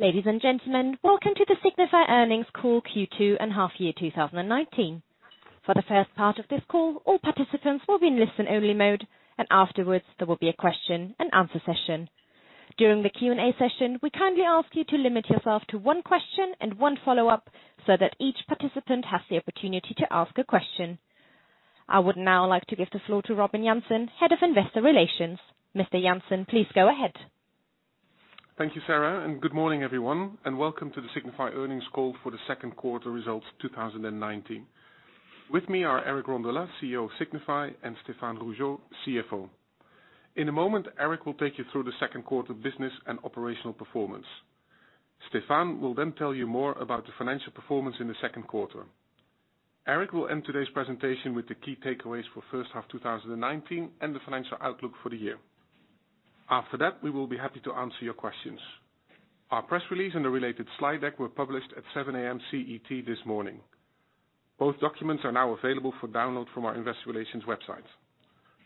Ladies and gentlemen, welcome to the Signify earnings call, Q2 and half year 2019. For the first part of this call, all participants will be in listen-only mode, and afterwards there will be a question and answer session. During the Q&A session, we kindly ask you to limit yourself to one question and one follow-up so that each participant has the opportunity to ask a question. I would now like to give the floor to Robin Jansen, Head of Investor Relations. Mr. Jansen, please go ahead. Thank you, Sarah, good morning, everyone, and welcome to the Signify earnings call for the second quarter results 2019. With me are Eric Rondolat, CEO of Signify, and Stéphane Rougeot, CFO. In a moment, Eric will take you through the second quarter business and operational performance. Stéphane will tell you more about the financial performance in the second quarter. Eric will end today's presentation with the key takeaways for first half 2019 and the financial outlook for the year. After that, we will be happy to answer your questions. Our press release and the related slide deck were published at 7:00 A.M. CET this morning. Both documents are now available for download from our investor relations website.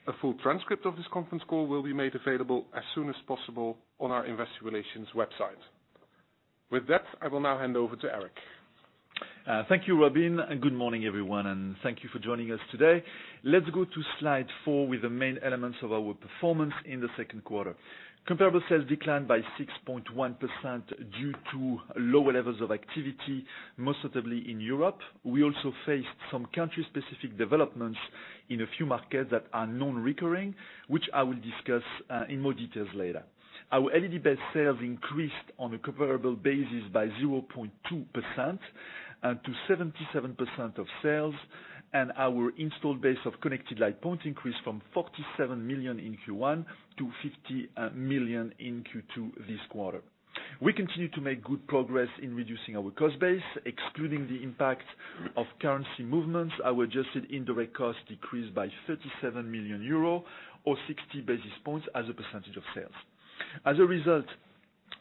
A full transcript of this conference call will be made available as soon as possible on our investor relations website. With that, I will now hand over to Eric. Thank you, Robin, and good morning, everyone, and thank you for joining us today. Let's go to slide four with the main elements of our performance in the second quarter. Comparable sales declined by 6.1% due to lower levels of activity, most notably in Europe. We also faced some country-specific developments in a few markets that are non-recurring, which I will discuss in more details later. Our LED-based sales increased on a comparable basis by 0.2% to 77% of sales, and our installed base of connected light points increased from 47 million in Q1 to 50 million in Q2 this quarter. We continue to make good progress in reducing our cost base. Excluding the impact of currency movements, our adjusted indirect cost decreased by 37 million euro, or 60 basis points as a percentage of sales. As a result,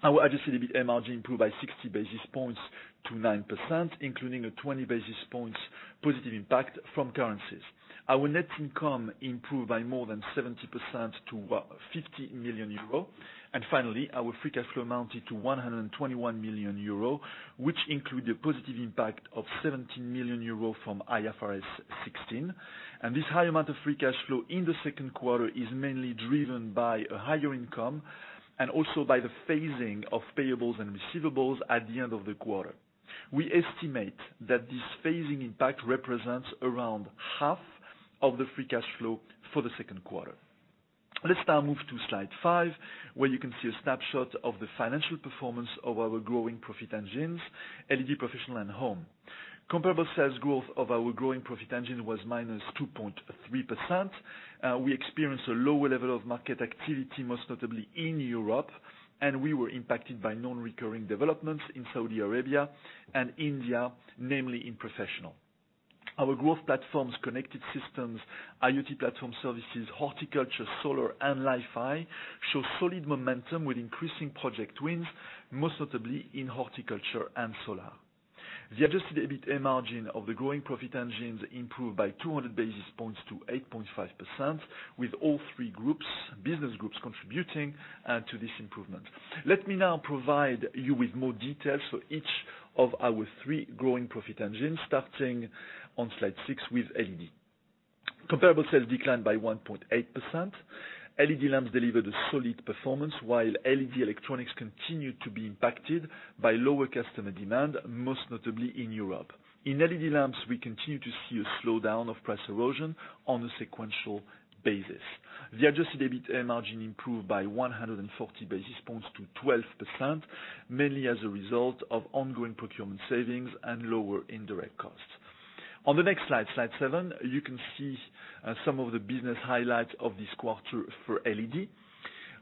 our adjusted EBITA margin improved by 60 basis points to 9%, including a 20 basis points positive impact from currencies. Our net income improved by more than 70% to 50 million euro. Finally, our free cash flow amounted to 121 million euro, which include the positive impact of 17 million euro from IFRS 16. This high amount of free cash flow in the second quarter is mainly driven by a higher income and also by the phasing of payables and receivables at the end of the quarter. We estimate that this phasing impact represents around half of the free cash flow for the second quarter. Let's now move to slide five, where you can see a snapshot of the financial performance of our growing profit engines, LED professional and home. Comparable sales growth of our growing profit engine was -2.3%. We experienced a lower level of market activity, most notably in Europe, and we were impacted by non-recurring developments in Saudi Arabia and India, namely in professional. Our growth platforms, Connected Systems, IoT Platform Services, Horticulture, Solar, and Li-Fi, show solid momentum with increasing project wins, most notably in Horticulture and Solar. The adjusted EBITA margin of the growing profit engines improved by 200 basis points to 8.5%, with all three business groups contributing to this improvement. Let me now provide you with more details for each of our three growing profit engines, starting on slide six with LED. Comparable sales declined by 1.8%. LED lamps delivered a solid performance while LED electronics continued to be impacted by lower customer demand, most notably in Europe. In LED lamps, we continue to see a slowdown of price erosion on a sequential basis. The adjusted EBITA margin improved by 140 basis points to 12%, mainly as a result of ongoing procurement savings and lower indirect costs. On the next slide seven, you can see some of the business highlights of this quarter for LED.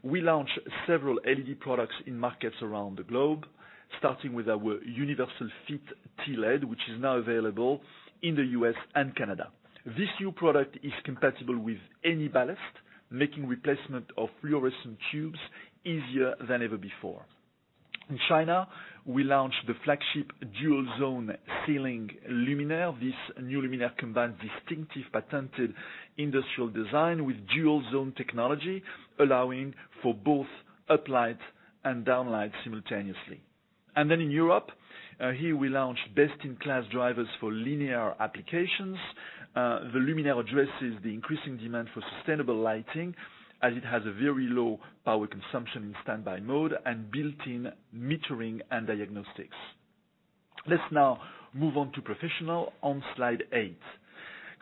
We launched several LED products in markets around the globe, starting with our universal fit T-LED, which is now available in the U.S. and Canada. This new product is compatible with any ballast, making replacement of fluorescent tubes easier than ever before. In China, we launched the flagship dual-zone ceiling luminaire. This new luminaire combines distinctive patented industrial design with dual-zone technology, allowing for both uplight and downlight simultaneously. In Europe, here we launched best-in-class drivers for linear applications. The luminaire addresses the increasing demand for sustainable lighting, as it has a very low power consumption in standby mode and built-in metering and diagnostics. Let's now move on to professional on slide eight.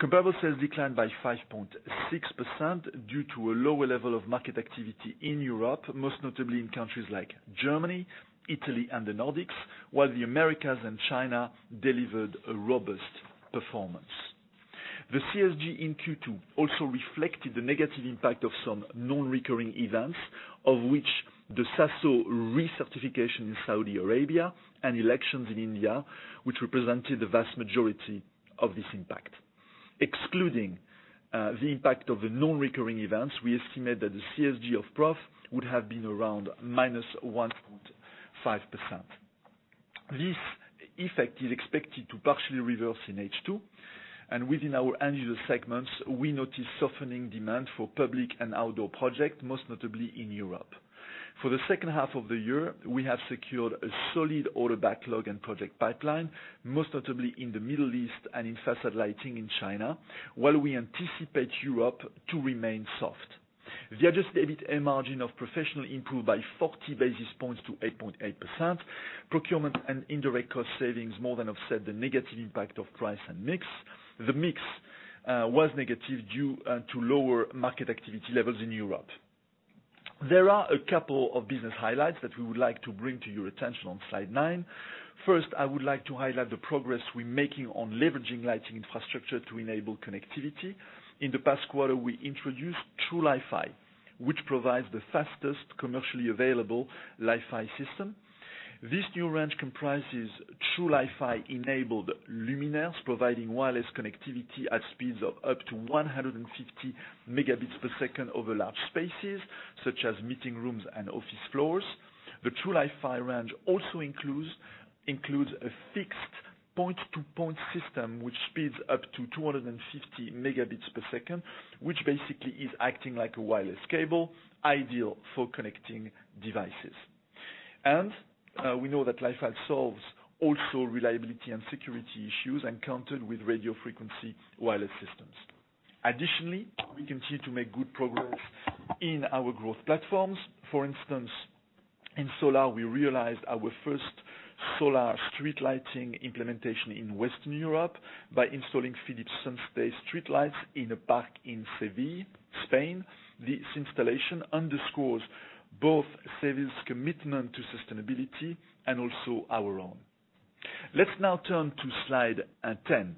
Comparable sales declined by 5.6% due to a lower level of market activity in Europe, most notably in countries like Germany, Italy, and the Nordics, while the Americas and China delivered a robust performance. The CSG in Q2 also reflected the negative impact of some non-recurring events, of which the SASO recertification in Saudi Arabia and elections in India, which represented the vast majority of this impact. Excluding the impact of the non-recurring events, we estimate that the CSG of prof would have been around -1.5%. This effect is expected to partially reverse in H2. Within our end-user segments, we notice softening demand for public and outdoor projects, most notably in Europe. For the second half of the year, we have secured a solid order backlog and project pipeline, most notably in the Middle East and in facade lighting in China, while we anticipate Europe to remain soft. The adjusted EBITA margin of Professional improved by 40 basis points to 8.8%. Procurement and indirect cost savings more than offset the negative impact of price and mix. The mix was negative due to lower market activity levels in Europe. There are a couple of business highlights that we would like to bring to your attention on slide nine. First, I would like to highlight the progress we're making on leveraging lighting infrastructure to enable connectivity. In the past quarter, we introduced Trulifi, which provides the fastest commercially available LiFi system. This new range comprises Trulifi-enabled luminaires, providing wireless connectivity at speeds of up to 150 Mbps over large spaces, such as meeting rooms and office floors. The Trulifi range also includes a fixed point-to-point system which speeds up to 250 Mbps, which basically is acting like a wireless cable, ideal for connecting devices. We know that Li-Fi solves also reliability and security issues encountered with radio frequency wireless systems. Additionally, we continue to make good progress in our growth platforms. For instance, in solar, we realized our first solar street lighting implementation in Western Europe by installing Philips SunStay streetlights in a park in Seville, Spain. This installation underscores both Seville's commitment to sustainability and also our own. Let's now turn to slide 10.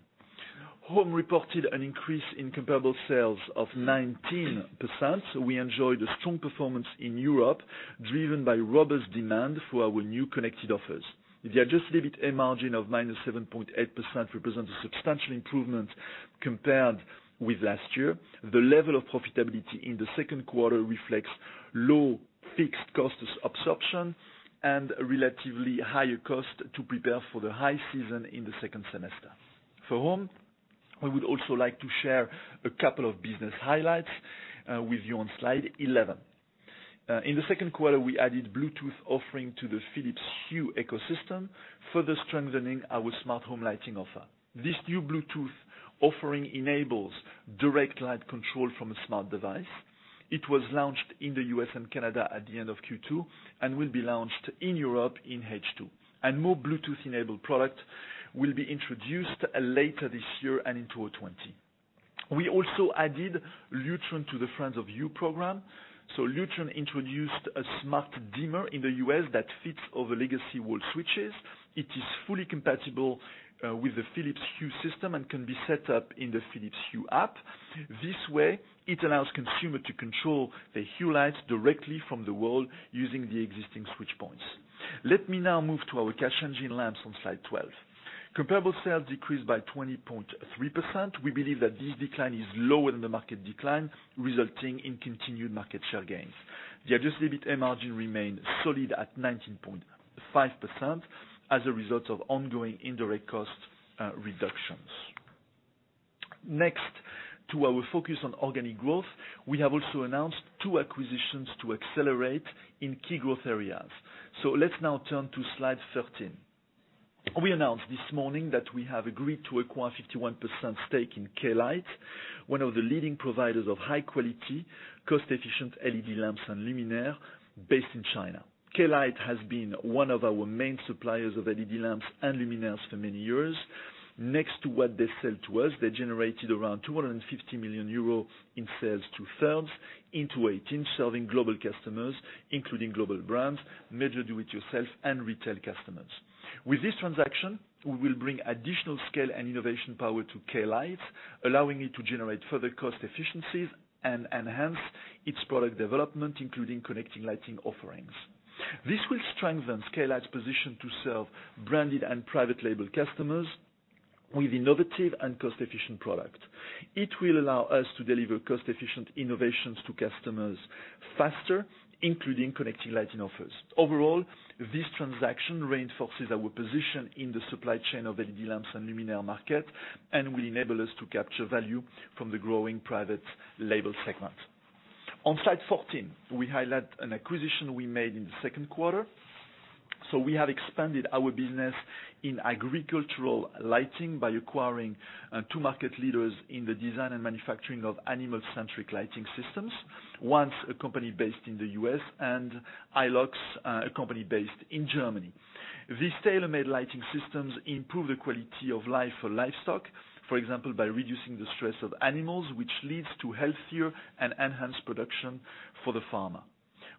Home reported an increase in comparable sales of 19%. We enjoyed a strong performance in Europe, driven by robust demand for our new connected offers. The adjusted EBITA margin of -7.8% represents a substantial improvement compared with last year. The level of profitability in the second quarter reflects low fixed cost absorption and relatively higher cost to prepare for the high season in the second semester. For Home, we would also like to share a couple of business highlights with you on slide 11. In the second quarter, we added Bluetooth offering to the Philips Hue ecosystem, further strengthening our smart home lighting offer. This new Bluetooth offering enables direct light control from a smart device. It was launched in the U.S. and Canada at the end of Q2 and will be launched in Europe in H2. More Bluetooth-enabled product will be introduced later this year and into 2020. We also added Lutron to the Friends of Hue program. Lutron introduced a smart dimmer in the U.S. that fits over legacy wall switches. It is fully compatible with the Philips Hue system and can be set up in the Philips Hue app. This way, it allows consumer to control their Hue lights directly from the wall using the existing switch points. Let me now move to our cash engine, Lamps, on slide 12. Comparable sales decreased by 20.3%. We believe that this decline is lower than the market decline, resulting in continued market share gains. The adjusted EBITA margin remained solid at 19.5% as a result of ongoing indirect cost reductions. Next to our focus on organic growth, we have also announced two acquisitions to accelerate in key growth areas. Let's now turn to slide 13. We announced this morning that we have agreed to acquire 51% stake in Klite Lighting, one of the leading providers of high-quality, cost-efficient LED lamps and luminaire based in China. Klite Lighting has been one of our main suppliers of LED lamps and luminaires for many years. Next to what they sell to us, they generated around 250 million euro in sales to thirds in 2018, serving global customers, including global brands, major do-it-yourself, and retail customers. With this transaction, we will bring additional scale and innovation power to Klite Lighting, allowing it to generate further cost efficiencies and enhance its product development, including connecting lighting offerings. This will strengthen Klite Lighting's position to serve branded and private label customers with innovative and cost-efficient product. It will allow us to deliver cost-efficient innovations to customers faster, including connecting lighting offers. Overall, this transaction reinforces our position in the supply chain of LED lamps and luminaire market and will enable us to capture value from the growing private label segment. On slide 14, we highlight an acquisition we made in the second quarter. We have expanded our business in agricultural lighting by acquiring two market leaders in the design and manufacturing of animal-centric lighting systems. ONCE a company based in the U.S., and iLOX, a company based in Germany. These tailor-made lighting systems improve the quality of life for livestock, for example, by reducing the stress of animals, which leads to healthier and enhanced production for the farmer.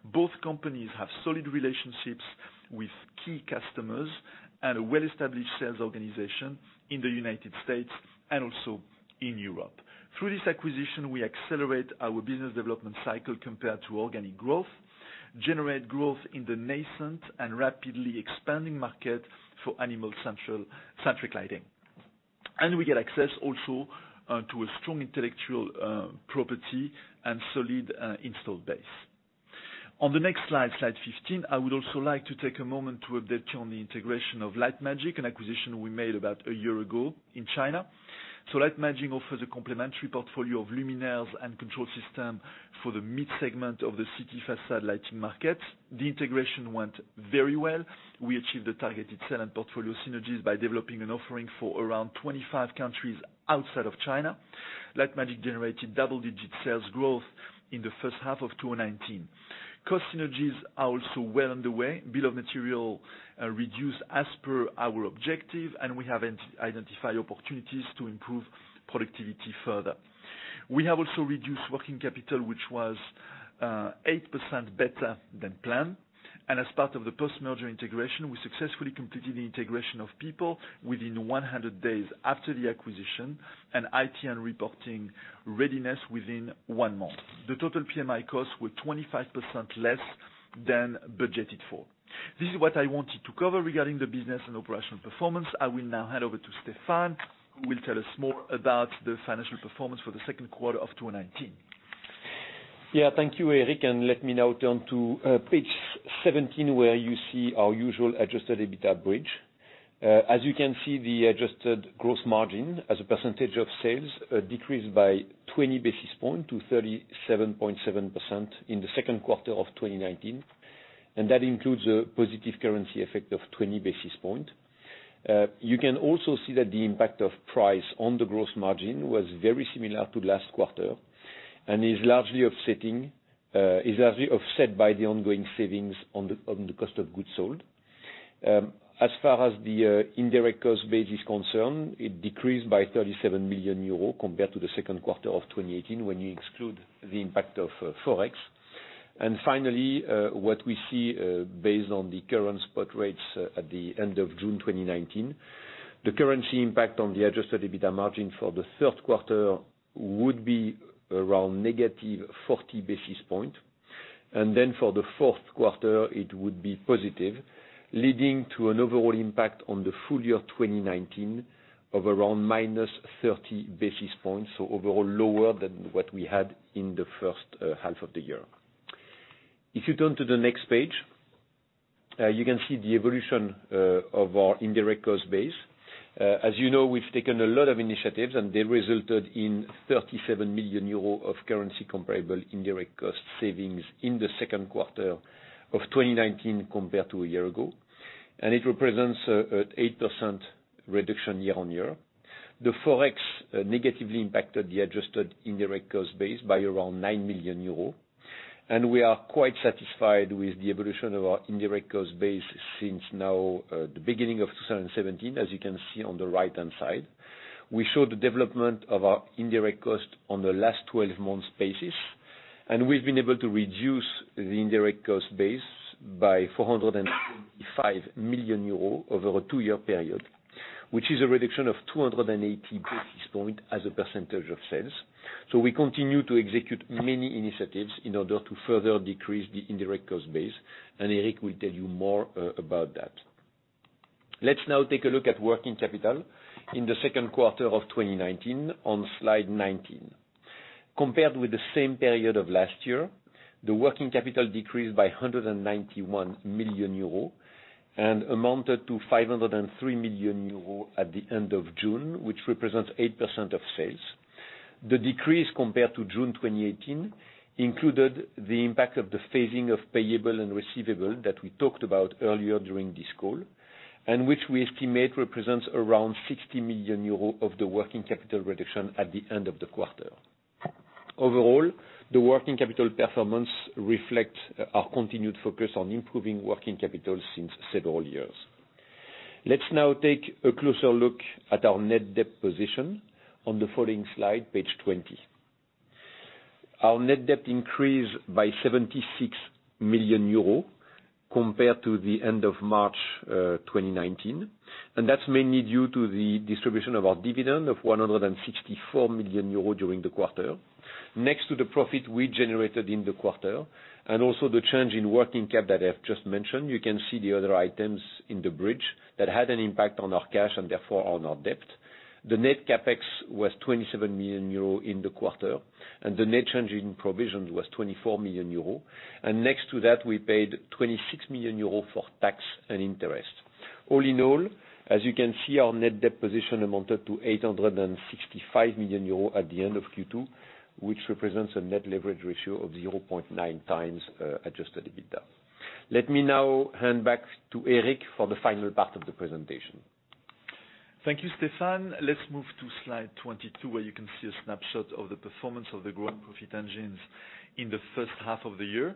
Both companies have solid relationships with key customers and a well-established sales organization in the United States and also in Europe. Through this acquisition, we accelerate our business development cycle compared to organic growth, generate growth in the nascent and rapidly expanding market for animal-centric lighting. We get access also to a strong intellectual property and solid installed base. On the next slide 15, I would also like to take a moment to update you on the integration of LiteMagic, an acquisition we made about a year ago in China. LiteMagic offers a complementary portfolio of luminaires and control system for the mid-segment of the city facade lighting market. The integration went very well. We achieved the targeted sell and portfolio synergies by developing an offering for around 25 countries outside of China. LiteMagic generated double-digit sales growth in the first half of 2019. Cost synergies are also well underway. Bill of material reduced as per our objective, and we have identified opportunities to improve productivity further. We have also reduced working capital, which was 8% better than planned. As part of the post-merger integration, we successfully completed the integration of people within 100 days after the acquisition and IT and reporting readiness within one month. The total PMI costs were 25% less than budgeted for. This is what I wanted to cover regarding the business and operational performance. I will now hand over to Stéphane, who will tell us more about the financial performance for the second quarter of 2019. Thank you, Eric, and let me now turn to page 17, where you see our usual adjusted EBITDA bridge. As you can see, the adjusted gross margin as a percentage of sales decreased by 20 basis point to 37.7% in the second quarter of 2019, and that includes a positive currency effect of 20 basis point. You can also see that the impact of price on the gross margin was very similar to last quarter and is largely offset by the ongoing savings on the cost of goods sold. As far as the indirect cost base is concerned, it decreased by 37 million euros compared to the second quarter of 2018 when you exclude the impact of Forex. Finally, what we see based on the current spot rates at the end of June 2019, the currency impact on the adjusted EBITDA margin for the third quarter would be around -40 basis points. Then for the fourth quarter, it would be positive, leading to an overall impact on the full year 2019 of around -30 basis points. Overall, lower than what we had in the first half of the year. If you turn to the next page, you can see the evolution of our indirect cost base. As you know, we've taken a lot of initiatives, and they resulted in 37 million euro of currency comparable indirect cost savings in the second quarter of 2019 compared to a year ago. It represents an 8% reduction year on year. The Forex negatively impacted the adjusted indirect cost base by around 9 million euros. We are quite satisfied with the evolution of our indirect cost base since now the beginning of 2017, as you can see on the right-hand side. We show the development of our indirect cost on the last 12 months basis, and we've been able to reduce the indirect cost base by 425 million euros over a two-year period, which is a reduction of 280 basis points as a percentage of sales. Eric will tell you more about that. Let's now take a look at working capital in the second quarter of 2019 on slide 19. Compared with the same period of last year, the working capital decreased by 191 million euro and amounted to 503 million euro at the end of June, which represents 8% of sales. The decrease compared to June 2018 included the impact of the phasing of payable and receivable that we talked about earlier during this call and which we estimate represents around 60 million euros of the working capital reduction at the end of the quarter. Overall, the working capital performance reflects our continued focus on improving working capital since several years. Let's now take a closer look at our net debt position on the following slide, page 20. Our net debt increased by 76 million euros compared to the end of March 2019, and that's mainly due to the distribution of our dividend of 164 million euro during the quarter. Next to the profit we generated in the quarter and also the change in working cap that I have just mentioned, you can see the other items in the bridge that had an impact on our cash and therefore on our debt. The net CapEx was 27 million euros in the quarter, and the net change in provision was 24 million euros. Next to that, we paid 26 million euros for tax and interest. All in all, as you can see, our net debt position amounted to 865 million euro at the end of Q2, which represents a net leverage ratio of 0.9x adjusted EBITDA. Let me now hand back to Eric for the final part of the presentation. Thank you, Stéphane. Let's move to slide 22, where you can see a snapshot of the performance of the growth profit engines in the first half of the year.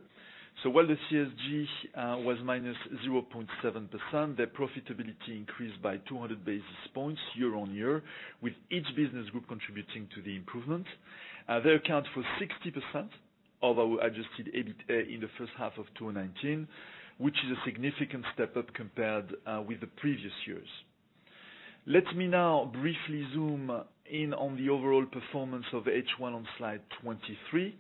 While the CSG was -0.7%, their profitability increased by 200 basis points year on year, with each business group contributing to the improvement. They account for 60% of our adjusted EBITA in the first half of 2019, which is a significant step up compared with the previous years. Let me now briefly zoom in on the overall performance of H1 on slide 23.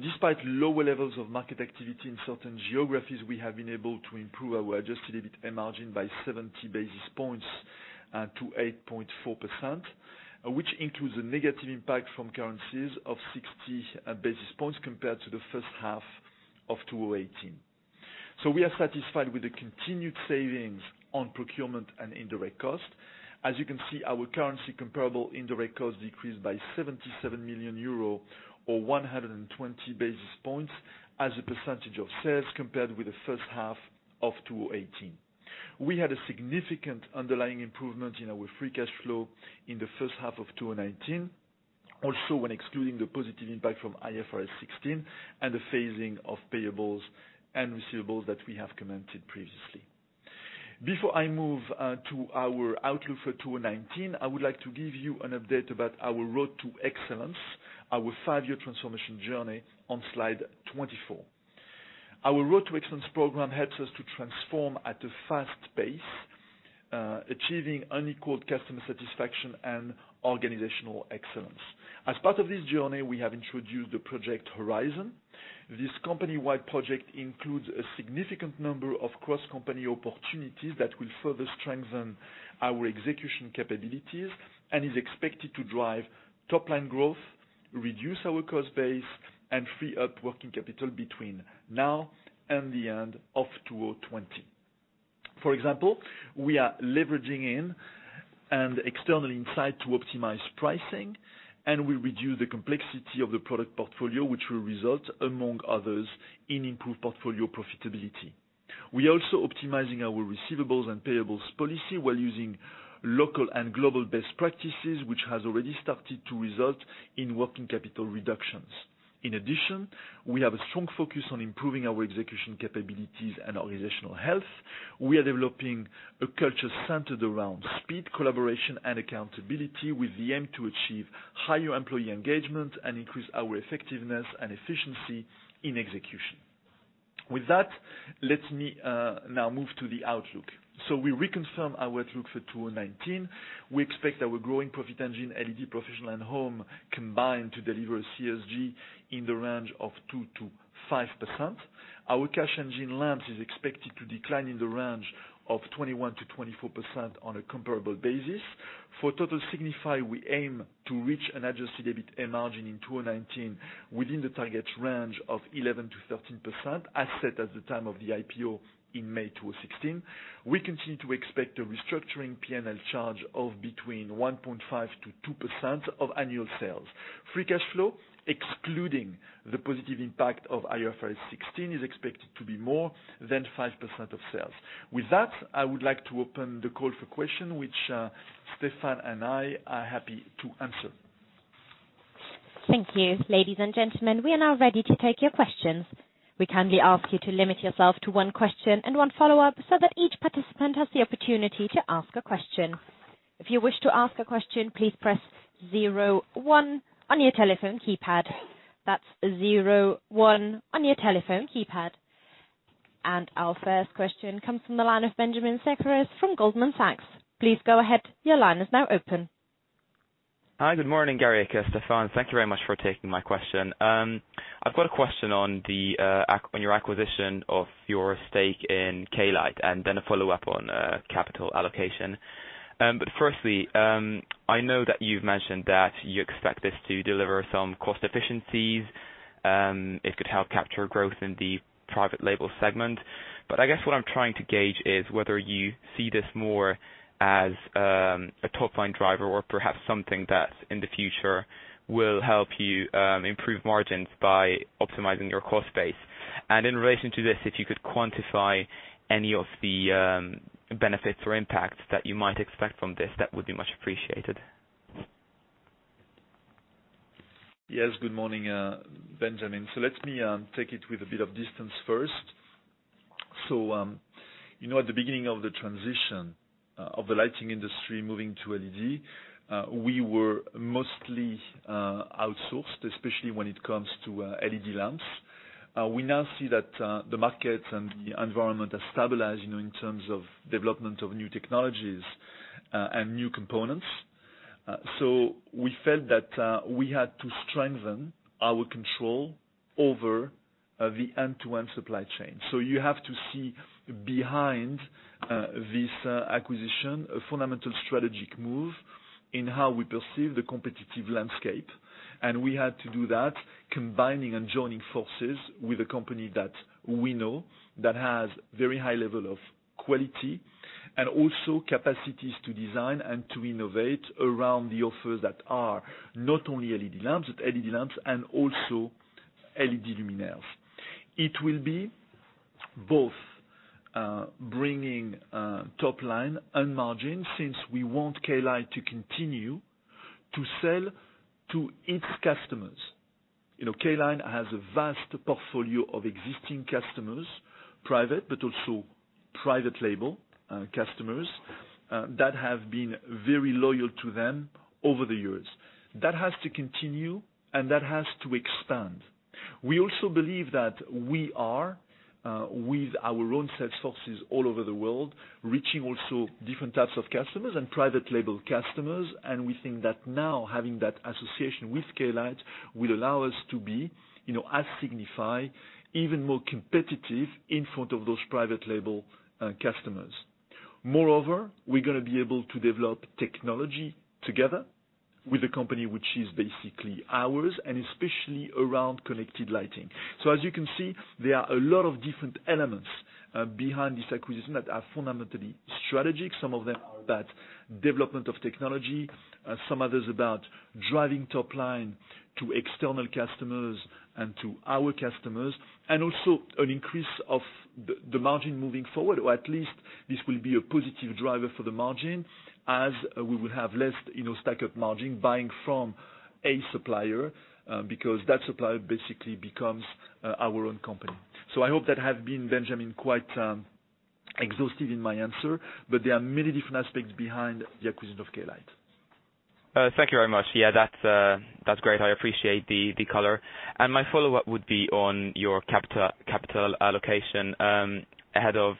Despite lower levels of market activity in certain geographies, we have been able to improve our adjusted EBITA margin by 70 basis points to 8.4%, which includes a negative impact from currencies of 60 basis points compared to the first half of 2018. We are satisfied with the continued savings on procurement and indirect cost. As you can see, our currency comparable indirect cost decreased by 77 million euros or 120 basis points as a percentage of sales compared with the first half of 2018. We had a significant underlying improvement in our free cash flow in the first half of 2019. Also, when excluding the positive impact from IFRS 16 and the phasing of payables and receivables that we have commented previously. Before I move to our outlook for 2019, I would like to give you an update about our Road to Excellence, our five-year transformation journey on slide 24. Our Road to Excellence program helps us to transform at a fast pace, achieving unequaled customer satisfaction and organizational excellence. As part of this journey, we have introduced the Project Horizon. This company-wide project includes a significant number of cross-company opportunities that will further strengthen our execution capabilities and is expected to drive top-line growth, reduce our cost base, and free up working capital between now and the end of 2020. For example, we are leveraging in an external insight to optimize pricing. We reduce the complexity of the product portfolio, which will result, among others, in improved portfolio profitability. We are also optimizing our receivables and payables policy while using local and global best practices, which has already started to result in working capital reductions. In addition, we have a strong focus on improving our execution capabilities and organizational health. We are developing a culture centered around speed, collaboration, and accountability with the aim to achieve higher employee engagement and increase our effectiveness and efficiency in execution. With that, let me now move to the outlook. We reconfirm our outlook for 2019. We expect our growing profit engine, LED professional and home, combined to deliver a CSG in the range of 2%-5%. Our cash engine lamps is expected to decline in the range of 21%-24% on a comparable basis. For total Signify, we aim to reach an adjusted EBITA margin in 2019 within the target range of 11%-13%, as set at the time of the IPO in May 2016. We continue to expect a restructuring P&L charge of between 1.5%-2% of annual sales. Free cash flow, excluding the positive impact of IFRS 16, is expected to be more than 5% of sales. With that, I would like to open the call for question, which Stephane and I are happy to answer. Thank you. Ladies and gentlemen, we are now ready to take your questions. We kindly ask you to limit yourself to one question and one follow-up so that each participant has the opportunity to ask a question. If you wish to ask a question, please press zero one on your telephone keypad. That's zero one on your telephone keypad. Our first question comes from the line of Benjamin Szekeres from Goldman Sachs. Please go ahead. Your line is now open. Hi. Good morning, Eric and Stéphane. Thank you very much for taking my question. I've got a question on your acquisition of your stake in Klite Lighting, and then a follow-up on capital allocation. Firstly, I know that you've mentioned that you expect this to deliver some cost efficiencies. It could help capture growth in the private label segment. I guess what I'm trying to gauge is whether you see this more as a top-line driver or perhaps something that, in the future, will help you improve margins by optimizing your cost base. In relation to this, if you could quantify any of the benefits or impacts that you might expect from this, that would be much appreciated. Yes. Good morning, Benjamin. Let me take it with a bit of distance first. At the beginning of the transition of the lighting industry moving to LED, we were mostly outsourced, especially when it comes to LED lamps. We now see that the market and the environment has stabilized in terms of development of new technologies and new components. We felt that we had to strengthen our control over the end-to-end supply chain. You have to see behind this acquisition, a fundamental strategic move in how we perceive the competitive landscape. We had to do that combining and joining forces with a company that we know that has very high level of quality and also capacities to design and to innovate around the offers that are not only LED lamps, but LED lamps and also LED luminaires. It will be both bringing top line and margin since we want Klite Lighting to continue to sell to its customers. Klite Lighting has a vast portfolio of existing customers, private, but also private label customers that have been very loyal to them over the years. That has to continue, and that has to expand. We also believe that we are, with our own sales forces all over the world, reaching also different types of customers and private label customers. We think that now having that association with Klite Lighting will allow us to be, as Signify, even more competitive in front of those private label customers. Moreover, we're going to be able to develop technology together with a company which is basically ours, and especially around connected lighting. As you can see, there are a lot of different elements behind this acquisition that are fundamentally strategic. Some of them are about development of technology, some others about driving top line to external customers and to our customers, and also an increase of the margin moving forward or at least this will be a positive driver for the margin as we will have less stack-up margin buying from a supplier, because that supplier basically becomes our own company. I hope that have been, Benjamin, quite exhaustive in my answer, but there are many different aspects behind the acquisition of Klite Lighting. Thank you very much. Yeah, that's great. I appreciate the color. My follow-up would be on your capital allocation. Ahead of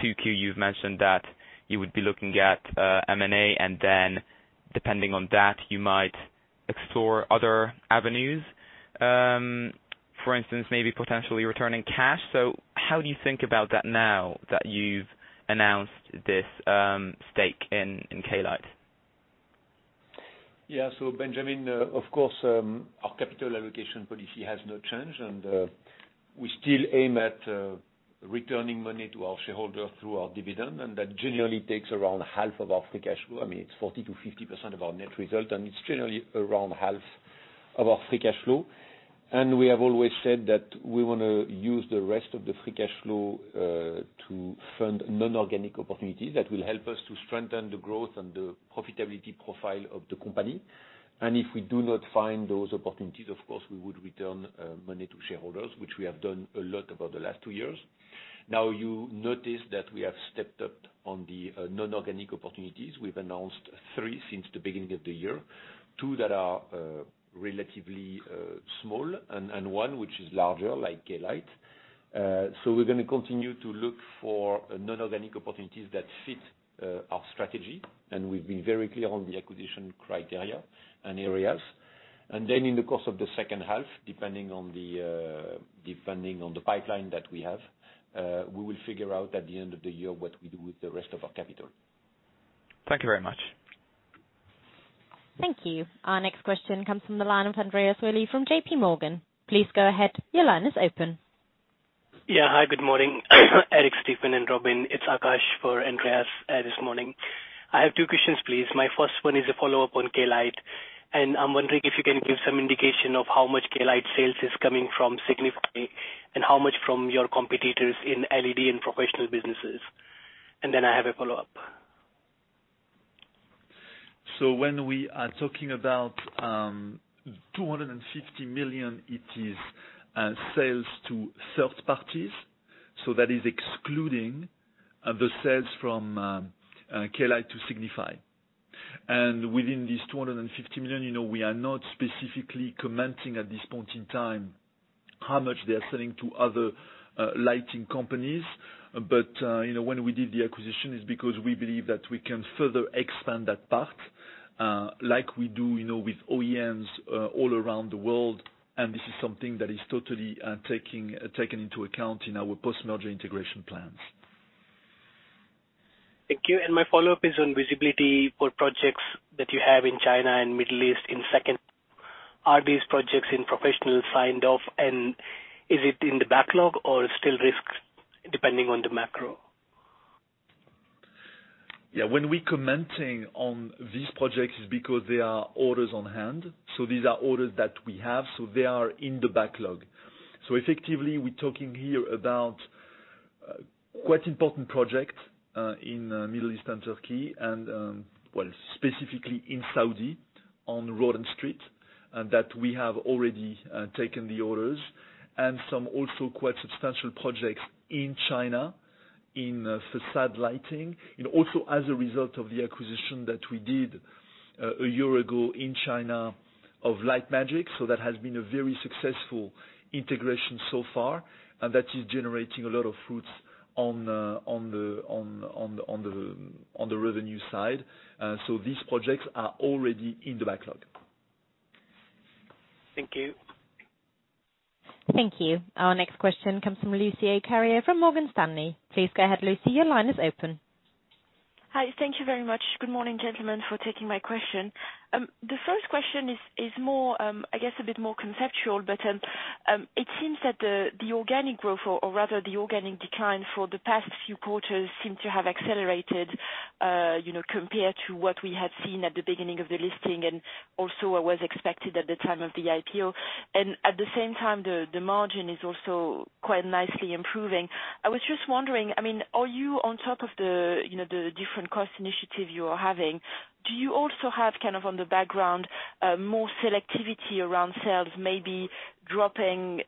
2Q, you've mentioned that you would be looking at M&A. Depending on that, you might explore other avenues, for instance, maybe potentially returning cash. How do you think about that now that you've announced this stake in Klite Lighting? Yeah. Benjamin, of course, our capital allocation policy has not changed, and we still aim at returning money to our shareholder through our dividend, and that generally takes around half of our free cash flow. It's 40%-50% of our net result, and it's generally around half of our free cash flow. We have always said that we want to use the rest of the free cash flow to fund non-organic opportunities that will help us to strengthen the growth and the profitability profile of the company. If we do not find those opportunities, of course, we would return money to shareholders, which we have done a lot over the last two years. Now you notice that we have stepped up on the non-organic opportunities. We've announced three since the beginning of the year, two that are relatively small and one which is larger, like Klite Lighting. We're going to continue to look for non-organic opportunities that fit our strategy, and we've been very clear on the acquisition criteria and areas. In the course of the second half, depending on the pipeline that we have, we will figure out at the end of the year what we do with the rest of our capital. Thank you very much. Thank you. Our next question comes from the line of Andreas Willi from JPMorgan. Please go ahead. Your line is open. Hi, good morning. Eric, Stéphane, and Robin. It's Akash for Andreas this morning. I have two questions, please. My first one is a follow-up on Klite, and I'm wondering if you can give some indication of how much Klite sales is coming from Signify and how much from your competitors in LED and professional businesses. Then I have a follow-up. When we are talking about 250 million, it is sales to third parties. That is excluding the sales from Klite Lighting to Signify. Within these 250 million, we are not specifically commenting at this point in time how much they are selling to other lighting companies. When we did the acquisition, it's because we believe that we can further expand that part like we do with OEMs all around the world, and this is something that is totally taken into account in our post-merger integration plans. Thank you. My follow-up is on visibility for projects that you have in China and Middle East in second quarter. Are these projects in Professional signed off, and is it in the backlog or still risk depending on the macro? Yeah. When we're commenting on these projects is because they are orders on hand. These are orders that we have. They are in the backlog. Effectively, we're talking here about quite important project in Middle East and Turkey and, well, specifically in Saudi on road and street, that we have already taken the orders and some also quite substantial projects in China in façade lighting. Also as a result of the acquisition that we did a year ago in China of LiteMagic. That has been a very successful integration so far, and that is generating a lot of fruits on the revenue side. These projects are already in the backlog. Thank you. Thank you. Our next question comes from Lucie Carrier from Morgan Stanley. Please go ahead, Lucie, your line is open. Hi. Thank you very much. Good morning, gentlemen, for taking my question. The first question is more, I guess a bit more conceptual, but it seems that the organic growth or rather the organic decline for the past few quarters seem to have accelerated compared to what we had seen at the beginning of the listing and also what was expected at the time of the IPO. At the same time, the margin is also quite nicely improving. I was just wondering, are you on top of the different cost initiative you are having? Do you also have kind of on the background, more selectivity around sales, maybe dropping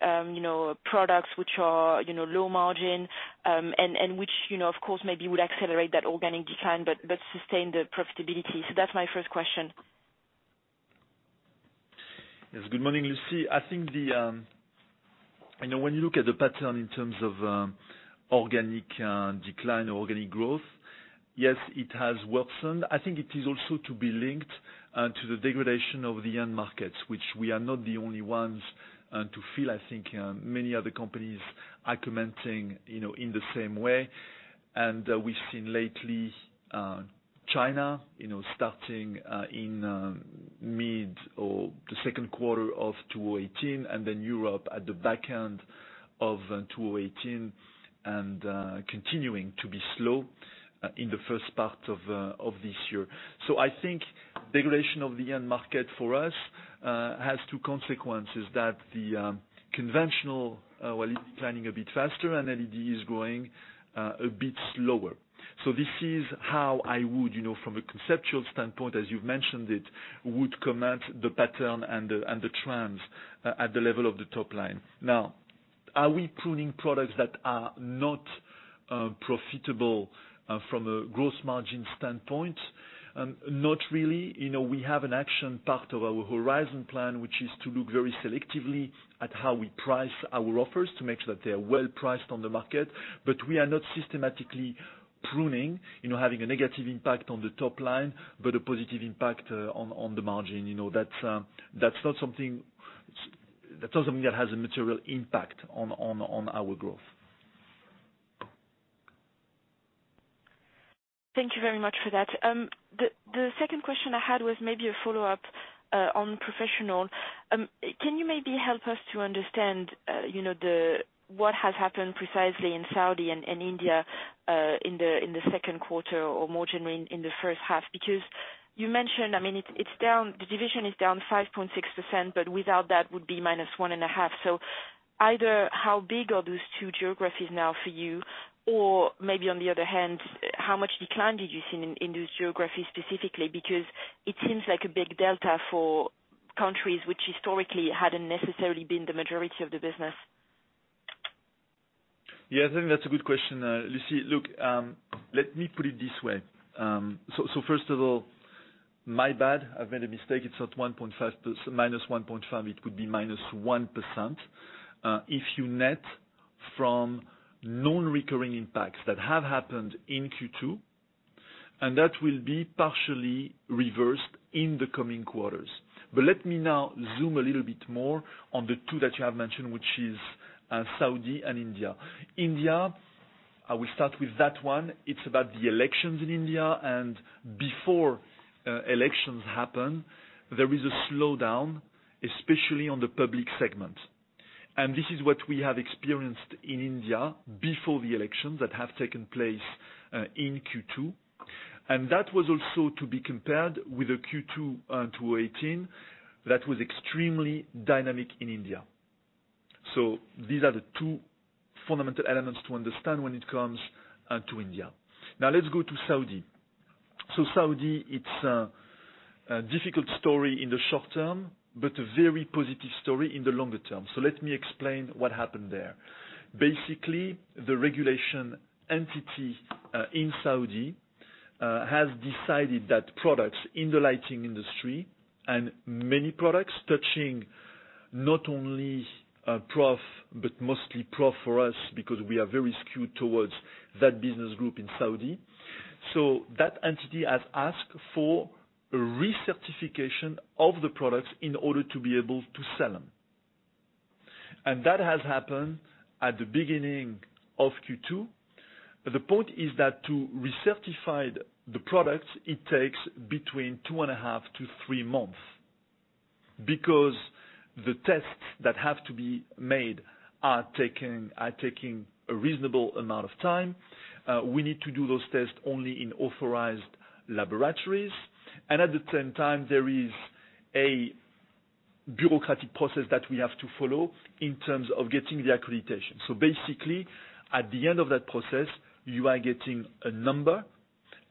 products which are low margin, and which of course maybe would accelerate that organic decline but sustain the profitability. That's my first question. Yes. Good morning, Lucie. I think when you look at the pattern in terms of organic decline or organic growth, yes, it has worsened. I think it is also to be linked to the degradation of the end markets, which we are not the only ones to feel, I think many other companies are commenting in the same way. We've seen lately, China, starting in mid or the second quarter of 2018, and then Europe at the back end of 2018 and continuing to be slow in the first part of this year. I think degradation of the end market for us, has two consequences that the conventional, well, is declining a bit faster and LED is growing a bit slower. This is how I would, from a conceptual standpoint, as you've mentioned it, would comment the pattern and the trends at the level of the top line. Are we pruning products that are not profitable from a gross margin standpoint? Not really. We have an action part of our Project Horizon, which is to look very selectively at how we price our offers to make sure that they're well-priced on the market. We are not systematically pruning, having a negative impact on the top line, but a positive impact on the margin. That's not something that has a material impact on our growth. Thank you very much for that. The second question I had was maybe a follow-up on professional. Can you maybe help us to understand what has happened precisely in Saudi and India, in the second quarter or more generally in the first half? You mentioned, the division is down 5.6%, but without that would be minus one and a half. Either how big are those two geographies now for you? Maybe on the other hand, how much decline did you see in those geographies specifically? It seems like a big delta for countries which historically hadn't necessarily been the majority of the business. Yeah, I think that's a good question. Lucie, look, let me put it this way. First of all, my bad, I've made a mistake. It's not -1.5, it could be -1%. If you net from non-recurring impacts that have happened in Q2, and that will be partially reversed in the coming quarters. Let me now zoom a little bit more on the two that you have mentioned, which is Saudi and India. India, I will start with that one. It's about the elections in India, and before elections happen, there is a slowdown, especially on the public segment. This is what we have experienced in India before the elections that have taken place in Q2. That was also to be compared with the Q2 2018, that was extremely dynamic in India. These are the two fundamental elements to understand when it comes to India. Let's go to Saudi. Saudi, it's a difficult story in the short term, but a very positive story in the longer term. Let me explain what happened there. Basically, the regulation entity in Saudi has decided that products in the lighting industry and many products touching not only Prof but mostly Prof for us because we are very skewed towards that business group in Saudi. That entity has asked for a recertification of the products in order to be able to sell them. That has happened at the beginning of Q2. The point is that to recertify the products, it takes between two and a half to three months because the tests that have to be made are taking a reasonable amount of time. We need to do those tests only in authorized laboratories. At the same time, there is a bureaucratic process that we have to follow in terms of getting the accreditation. Basically, at the end of that process, you are getting a number,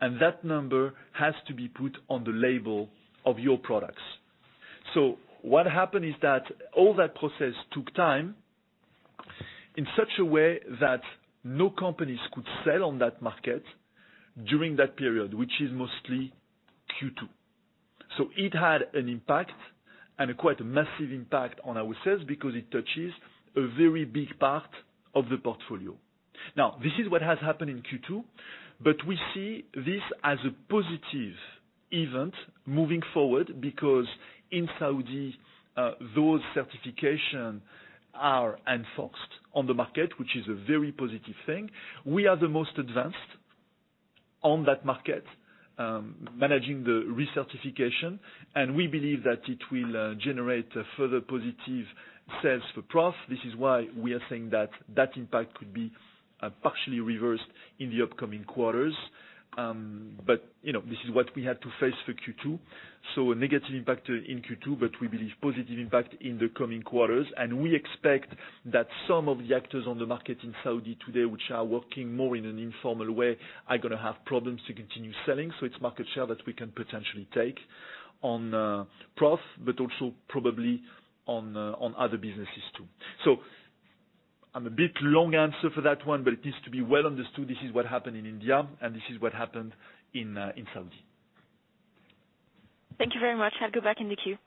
and that number has to be put on the label of your products. What happened is that all that process took time in such a way that no companies could sell on that market during that period, which is mostly Q2. It had an impact and quite a massive impact on our sales because it touches a very big part of the portfolio. This is what has happened in Q2, but we see this as a positive event moving forward because in Saudi, those certification are enforced on the market, which is a very positive thing. We are the most advanced on that market, managing the recertification. We believe that it will generate further positive sales for SASO. This is why we are saying that impact could be partially reversed in the upcoming quarters. This is what we had to face for Q2. A negative impact in Q2, but we believe positive impact in the coming quarters. We expect that some of the actors on the market in Saudi today, which are working more in an informal way, are going to have problems to continue selling. It's market share that we can potentially take on SASO, but also probably on other businesses too. I'm a bit long answer for that one, but it needs to be well understood this is what happened in India and this is what happened in Saudi. Thank you very much. I'll go back in the queue.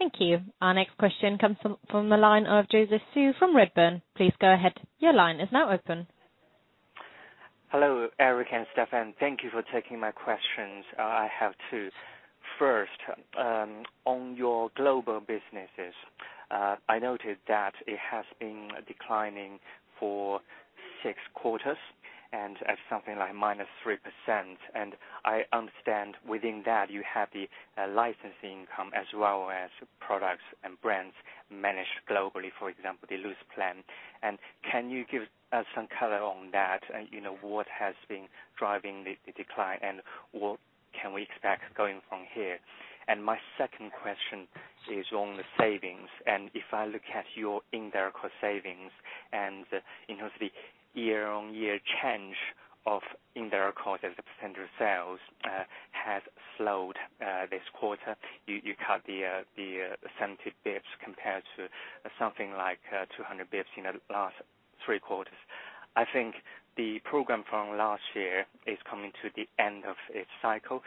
Thank you. Our next question comes from the line of Joseph Zhou from Redburn. Please go ahead. Your line is now open. Hello, Eric and Stephane. Thank you for taking my questions. I have two. First, on your global businesses. I noticed that it has been declining for six quarters and at something like -3%. I understand within that you have the licensing income as well as products and brands managed globally, for example, the Luceplan. Can you give us some color on that? What has been driving the decline, and what can we expect going from here? My second question is on the savings. If I look at your indirect cost savings and in terms of the year-on-year change of indirect cost as a percentage of sales, has slowed this quarter. You cut the 70 basis points compared to something like 200 basis points in the last three quarters. I think the program from last year is coming to the end of its cycle.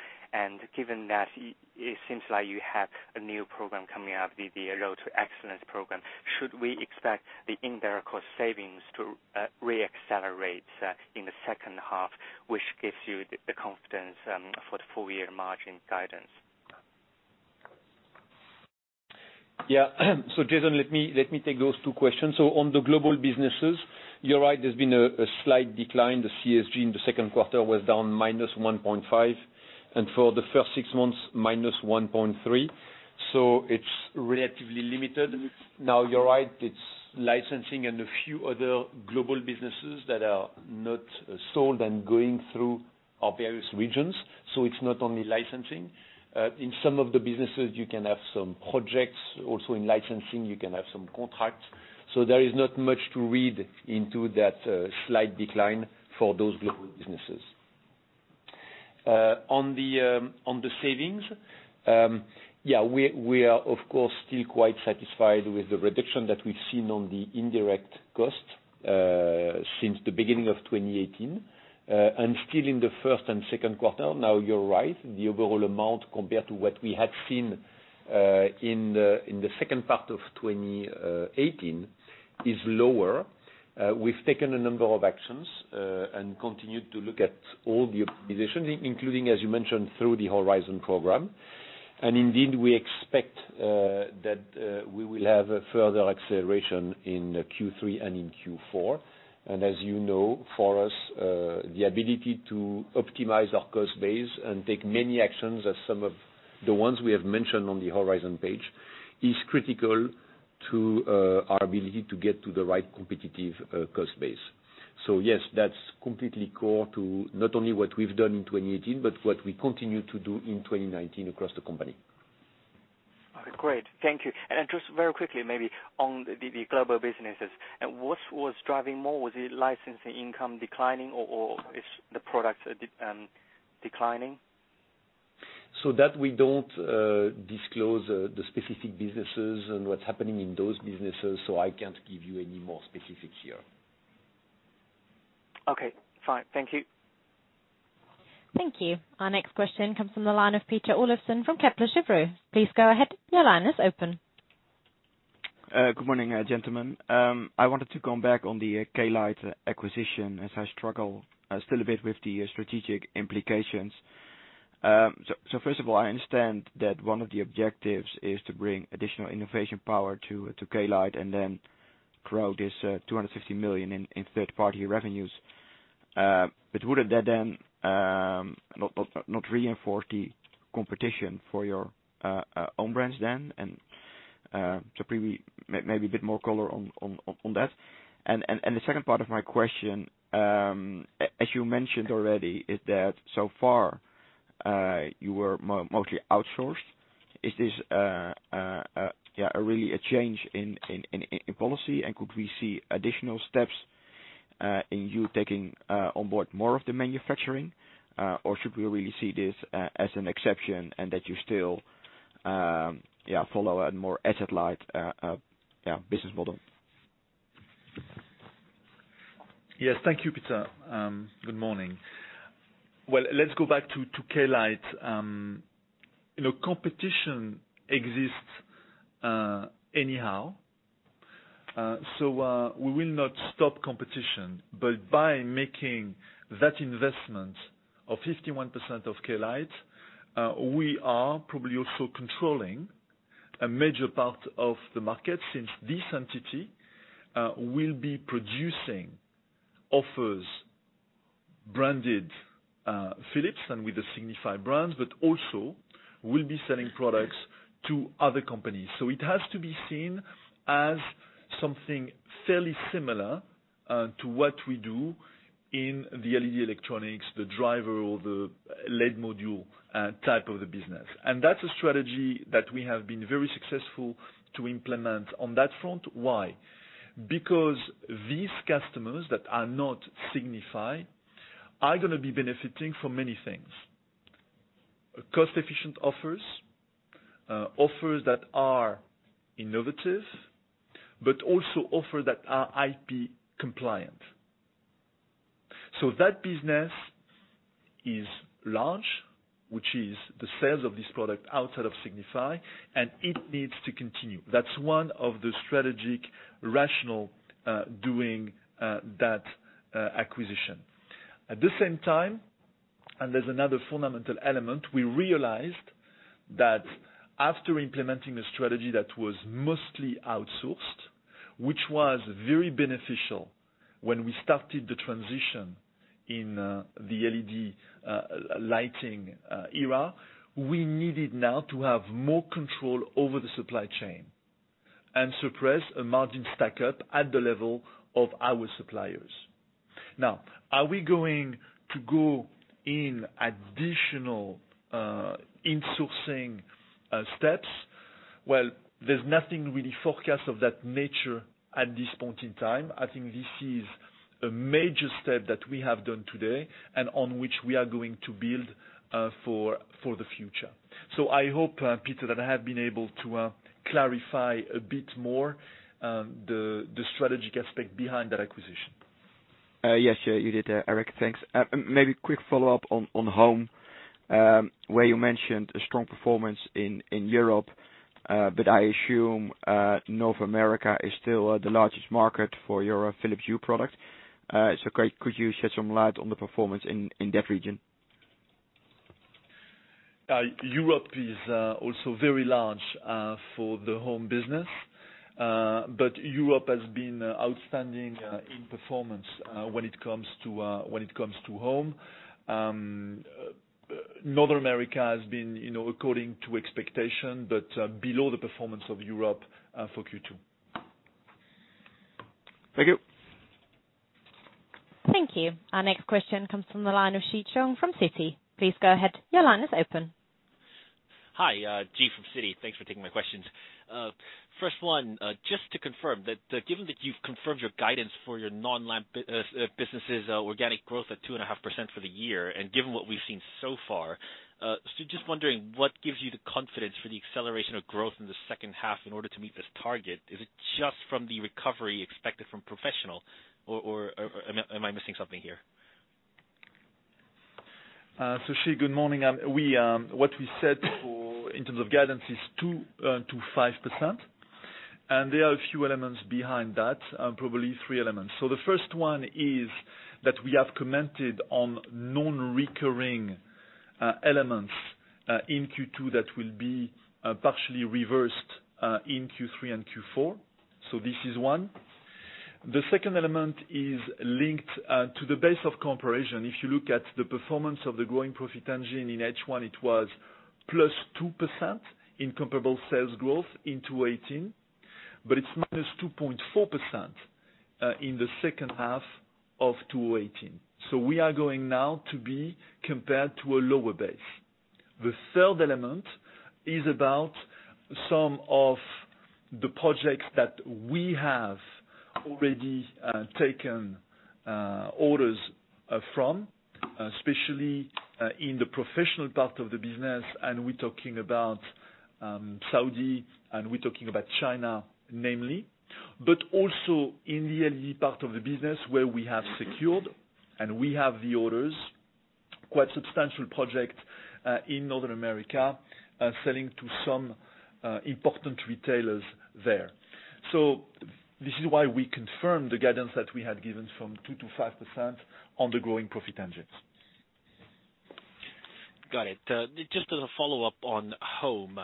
Given that it seems like you have a new program coming up, the Road to Excellence program, should we expect the indirect cost savings to re-accelerate in the second half, which gives you the confidence for the full year margin guidance? Joseph, let me take those two questions. On the global businesses, you're right, there's been a slight decline. The CSG in the second quarter was down -1.5%. For the first six months, -1.3%. It's relatively limited. Now you're right, it's licensing and a few other global businesses that are not sold and going through our various regions. It's not only licensing. In some of the businesses, you can have some projects. Also in licensing, you can have some contracts. There is not much to read into that slight decline for those global businesses. On the savings, we are of course still quite satisfied with the reduction that we've seen on the indirect cost since the beginning of 2018. Still in the first and second quarter, now you're right, the overall amount compared to what we had seen in the second part of 2018 is lower. We've taken a number of actions, and continued to look at all the optimizations, including, as you mentioned, through the Horizon program. Indeed, we expect that we will have a further acceleration in Q3 and in Q4. As you know, for us, the ability to optimize our cost base and take many actions as some of the ones we have mentioned on the Horizon page, is critical to our ability to get to the right competitive cost base. Yes, that's completely core to not only what we've done in 2018, but what we continue to do in 2019 across the company. Okay, great. Thank you. Just very quickly, maybe on the global businesses. What was driving more? Was it licensing income declining or is the products declining? That we don't disclose the specific businesses and what's happening in those businesses, so I can't give you any more specifics here. Okay, fine. Thank you. Thank you. Our next question comes from the line of Peter Olofsen from Kepler Cheuvreux. Please go ahead. Your line is open. Good morning, gentlemen. I wanted to come back on the Klite Lighting acquisition as I struggle still a bit with the strategic implications. First of all, I understand that one of the objectives is to bring additional innovation power to Klite Lighting and then grow this 250 million in third-party revenues. Would that then not reinforce the competition for your own brands then? Maybe a bit more color on that. The second part of my question, as you mentioned already, is that so far you were mostly outsourced. Is this really a change in policy and could we see additional steps in you taking on board more of the manufacturing? Should we really see this as an exception and that you still follow a more asset-light business model? Yes. Thank you, Peter. Good morning. Well, let's go back to Klite Lighting. Competition exists anyhow. We will not stop competition. By making that investment of 51% of Klite Lighting, we are probably also controlling a major part of the market since this entity will be producing offers branded Philips and with the Signify brands, but also will be selling products to other companies. It has to be seen as something fairly similar to what we do in the LED electronics, the driver or the LED module type of the business. That's a strategy that we have been very successful to implement on that front. Why? These customers that are not Signify are gonna be benefiting from many things. Cost-efficient offers that are innovative, offers that are IP compliant. That business is large, which is the sales of this product outside of Signify, and it needs to continue. That's one of the strategic rationale doing that acquisition. At the same time, there's another fundamental element, we realized that after implementing a strategy that was mostly outsourced, which was very beneficial when we started the transition in the LED lighting era, we needed now to have more control over the supply chain and suppress a margin stack-up at the level of our suppliers. Are we going to go in additional insourcing steps? There's nothing really forecast of that nature at this point in time. I think this is a major step that we have done today, on which we are going to build for the future. I hope, Peter, that I have been able to clarify a bit more the strategic aspect behind that acquisition. Yes, you did, Eric. Thanks. Maybe a quick follow-up on Home, where you mentioned a strong performance in Europe. I assume North America is still the largest market for your Philips Hue product. Could you shed some light on the performance in that region? Europe is also very large for the Home business. Europe has been outstanding in performance when it comes to Home. North America has been according to expectation, but below the performance of Europe for Q2. Thank you. Thank you. Our next question comes from the line of Ji Cheong from Citi. Please go ahead. Your line is open. Hi, Ji from Citi. Thanks for taking my questions. First one, just to confirm that given that you've confirmed your guidance for your non-lamp businesses organic growth at 2.5% for the year, and given what we've seen so far, just wondering what gives you the confidence for the acceleration of growth in the second half in order to meet this target? Is it just from the recovery expected from professional or am I missing something here? Ji, good morning. What we said in terms of guidance is 2%-5%, and there are a few elements behind that, probably three elements. The first one is that we have commented on non-recurring elements in Q2 that will be partially reversed in Q3 and Q4. This is one. The second element is linked to the base of comparison. If you look at the performance of the growing profit engine in H1, it was +2% in comparable sales growth in 2018, but it's -2.4% in the second half of 2018. We are going now to be compared to a lower base. The third element is about some of the projects that we have already taken orders from, especially in the professional part of the business, and we're talking about Saudi and we're talking about China namely, but also in the LED part of the business where we have secured and we have the orders, quite substantial project in North America, selling to some important retailers there. This is why we confirmed the guidance that we had given from 2%-5% on the growing profit engines. Got it. Just as a follow-up on Home.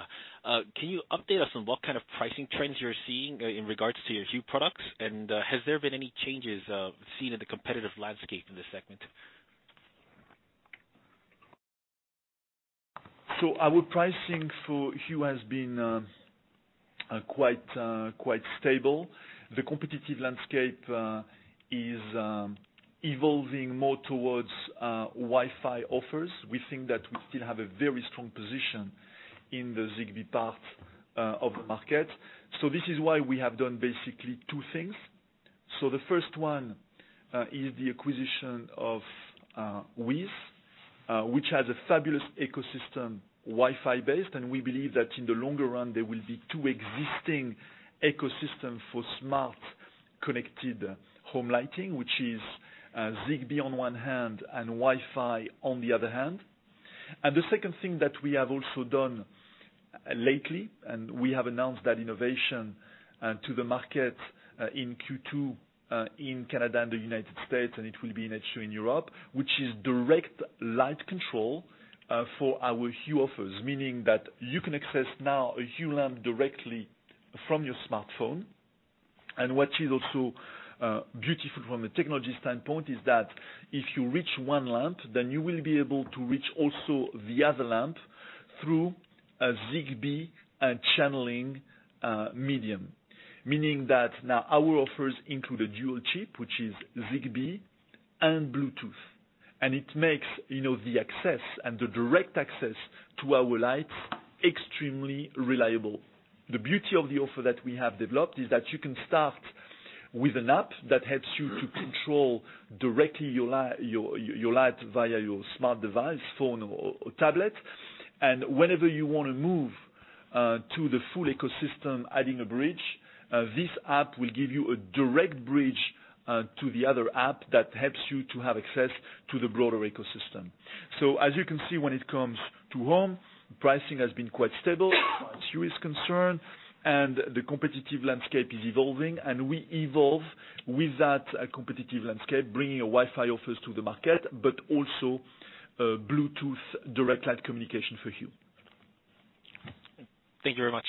Can you update us on what kind of pricing trends you're seeing in regards to your Hue products? Has there been any changes seen in the competitive landscape in this segment? Our pricing for Hue has been quite stable. The competitive landscape is evolving more towards Wi-Fi offers. We think that we still have a very strong position in the Zigbee part of the market. This is why we have done basically two things. The first one is the acquisition of WiZ, which has a fabulous ecosystem, Wi-Fi based, and we believe that in the longer run, there will be two existing ecosystem for smart, connected home lighting, which is Zigbee on one hand, and Wi-Fi on the other hand. The second thing that we have also done lately, and we have announced that innovation to the market in Q2 in Canada and the U.S., and it will be next year in Europe, which is direct light control for our Hue offers. Meaning that you can access now a Hue lamp directly from your smartphone. What is also beautiful from a technology standpoint is that if you reach one lamp, then you will be able to reach also the other lamp through a Zigbee channeling medium. Now our offers include a dual chip, which is Zigbee and Bluetooth, and it makes the access and the direct access to our lights extremely reliable. The beauty of the offer that we have developed is that you can start. With an app that helps you to control directly your light via your smart device, phone or tablet. Whenever you want to move to the full ecosystem adding a bridge, this app will give you a direct bridge to the other app that helps you to have access to the broader ecosystem. As you can see when it comes to home, pricing has been quite stable as you are concerned, and the competitive landscape is evolving and we evolve with that competitive landscape, bringing a Wi-Fi offers to the market, but also Bluetooth direct light communication for Hue. Thank you very much.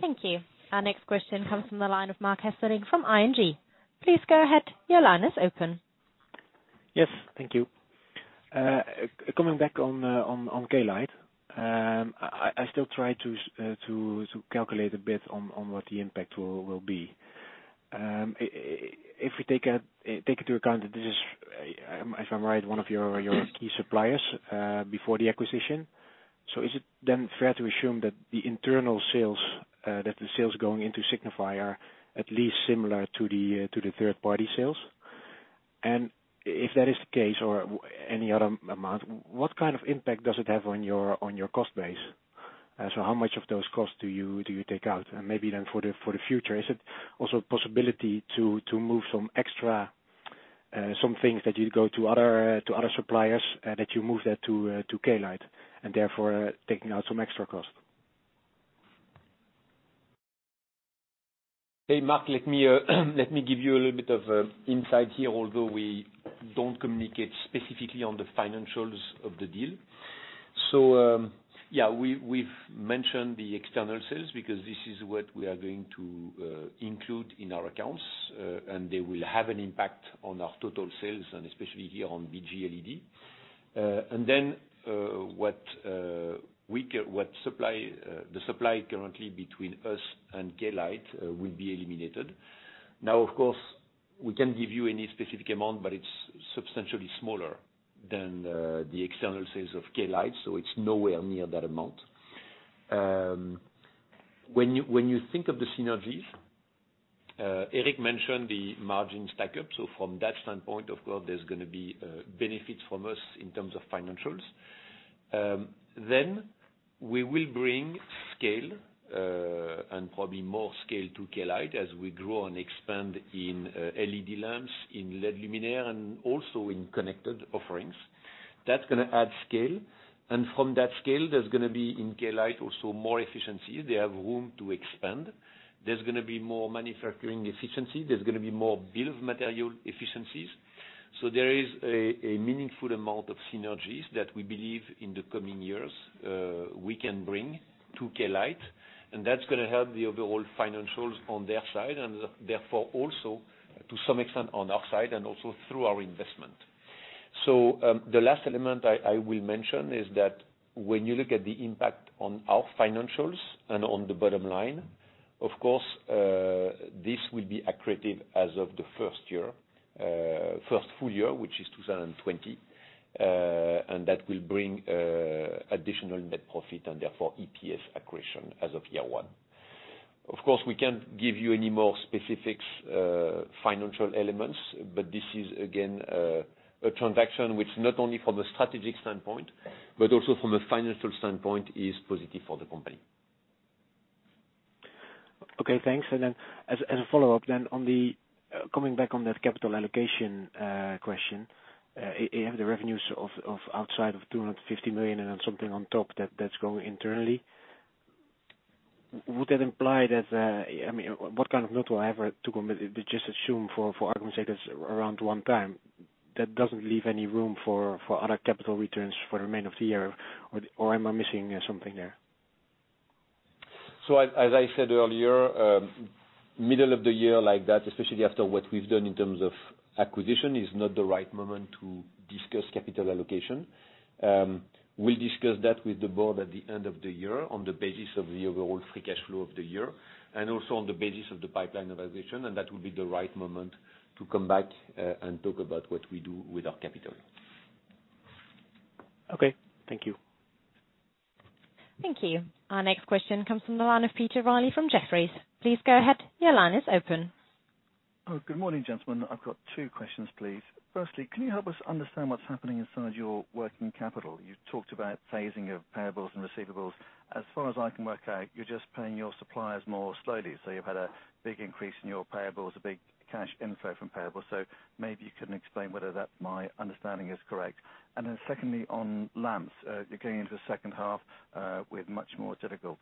Thank you. Our next question comes from the line of Marc Hesselink from ING. Please go ahead. Your line is open. Yes, thank you. Coming back on Klite Lighting. I still try to calculate a bit on what the impact will be. If we take into account that this is, if I'm right, one of your key suppliers before the acquisition. Is it then fair to assume that the internal sales, that the sales going into Signify are at least similar to the third-party sales? If that is the case or any other amount, what kind of impact does it have on your cost base? How much of those costs do you take out? Maybe then for the future, is it also a possibility to move some things that you go to other suppliers, that you move that to Klite Lighting and therefore taking out some extra cost. Hey, Marc, let me give you a little bit of insight here, although we don't communicate specifically on the financials of the deal. Yeah, we've mentioned the external sales because this is what we are going to include in our accounts. They will have an impact on our total sales and especially here on BG LED. Then, the supply currently between us and Klite Lighting will be eliminated. Now, of course, we can't give you any specific amount, but it's substantially smaller than the external sales of Klite Lighting, so it's nowhere near that amount. When you think of the synergies, Eric mentioned the margin stack-up. From that standpoint, of course, there's going to be benefits from us in terms of financials. We will bring scale, and probably more scale to Klite Lighting as we grow and expand in LED lamps, in LED luminaire, and also in connected offerings. That's going to add scale. From that scale, there's going to be in Klite Lighting also more efficiency. They have room to expand. There's going to be more manufacturing efficiency. There's going to be more bill of material efficiencies. There is a meaningful amount of synergies that we believe in the coming years we can bring to Klite Lighting. That's going to help the overall financials on their side and therefore also to some extent on our side and also through our investment. The last element I will mention is that when you look at the impact on our financials and on the bottom line, of course, this will be accretive as of the first full year, which is 2020. That will bring additional net profit and therefore EPS accretion as of year one. Of course, we can't give you any more specifics, financial elements, but this is again, a transaction which not only from a strategic standpoint, but also from a financial standpoint is positive for the company. Okay, thanks. As a follow-up then coming back on that capital allocation question, you have the revenues of outside of 250 million and then something on top that's growing internally. What kind of note to just assume for argument's sake is around one time, that doesn't leave any room for other capital returns for the remainder of the year, or am I missing something there? As I said earlier, middle of the year like that, especially after what we've done in terms of acquisition, is not the right moment to discuss capital allocation. We'll discuss that with the board at the end of the year on the basis of the overall free cash flow of the year and also on the basis of the pipeline evaluation, and that will be the right moment to come back and talk about what we do with our capital. Okay. Thank you. Thank you. Our next question comes from the line of Peter Reilly from Jefferies. Please go ahead. Your line is open. Oh, good morning, gentlemen. I've got two questions, please. Firstly, can you help us understand what's happening inside your working capital? You talked about phasing of payables and receivables. As far as I can work out, you're just paying your suppliers more slowly. You've had a big increase in your payables, a big cash inflow from payables. Maybe you can explain whether that my understanding is correct. Secondly, on lamps, you're going into the second half with much more difficult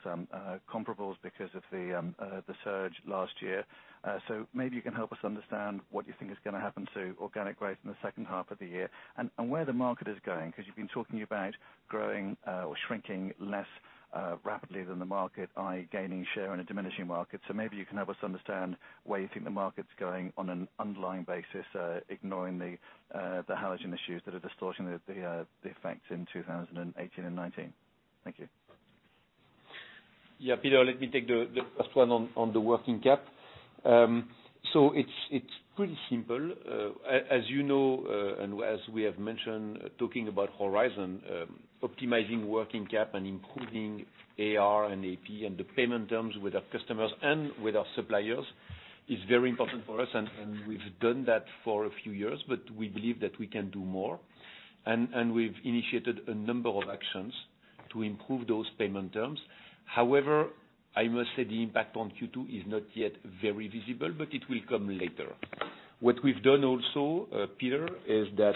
comparables because of the surge last year. Maybe you can help us understand what you think is going to happen to organic growth in the second half of the year and where the market is going. You've been talking about growing or shrinking less rapidly than the market by gaining share in a diminishing market. Maybe you can help us understand where you think the market's going on an underlying basis, ignoring the halogen issues that are distorting the effects in 2018 and 2019. Thank you. Yeah, Peter, let me take the first one on the working cap. It's pretty simple. As you know, and as we have mentioned, talking about Horizon, optimizing working capital and improving AR and AP and the payment terms with our customers and with our suppliers is very important for us, and we've done that for a few years, but we believe that we can do more. We've initiated a number of actions to improve those payment terms. However, I must say the impact on Q2 is not yet very visible, but it will come later. What we've done also, Peter, is that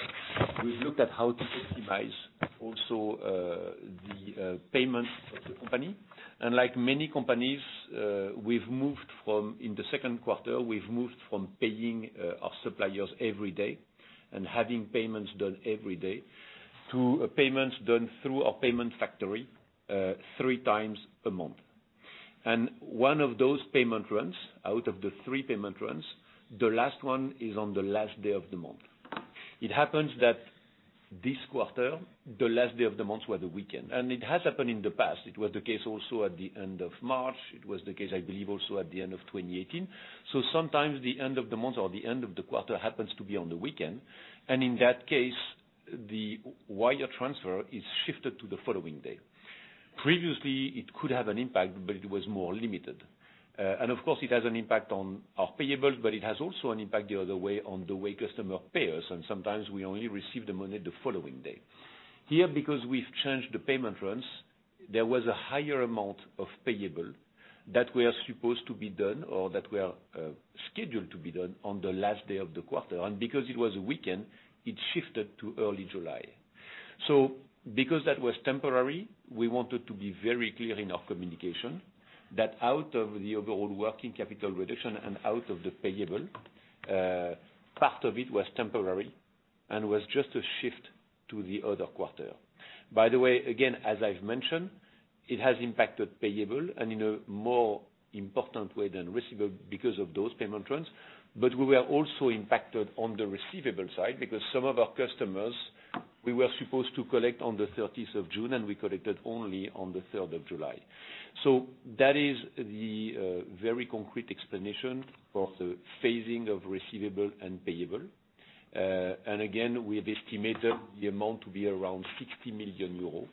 we've looked at how to optimize also the payments of the company. Like many companies, in the second quarter, we've moved from paying our suppliers every day and having payments done every day, to payments done through a payment factory three times a month. One of those payment runs, out of the three payment runs, the last one is on the last day of the month. It happens that this quarter, the last day of the month were the weekend. It has happened in the past. It was the case also at the end of March. It was the case, I believe, also at the end of 2018. Sometimes the end of the month or the end of the quarter happens to be on the weekend. In that case, the wire transfer is shifted to the following day. Previously, it could have an impact, but it was more limited. Of course, it has an impact on our payable, but it has also an impact the other way on the way customer pay us, and sometimes we only receive the money the following day. Here, because we've changed the payment runs, there was a higher amount of payables that were supposed to be done or that were scheduled to be done on the last day of the quarter. Because it was a weekend, it shifted to early July. Because that was temporary, we wanted to be very clear in our communication that out of the overall working capital reduction and out of the payables, part of it was temporary and was just a shift to the other quarter. By the way, again, as I've mentioned, it has impacted payables and in a more important way than receivables because of those payment runs. We were also impacted on the receivables side because some of our customers, we were supposed to collect on the 30th of June, and we collected only on the 3rd of July. That is the very concrete explanation for the phasing of receivable and payable. Again, we have estimated the amount to be around 60 million euros.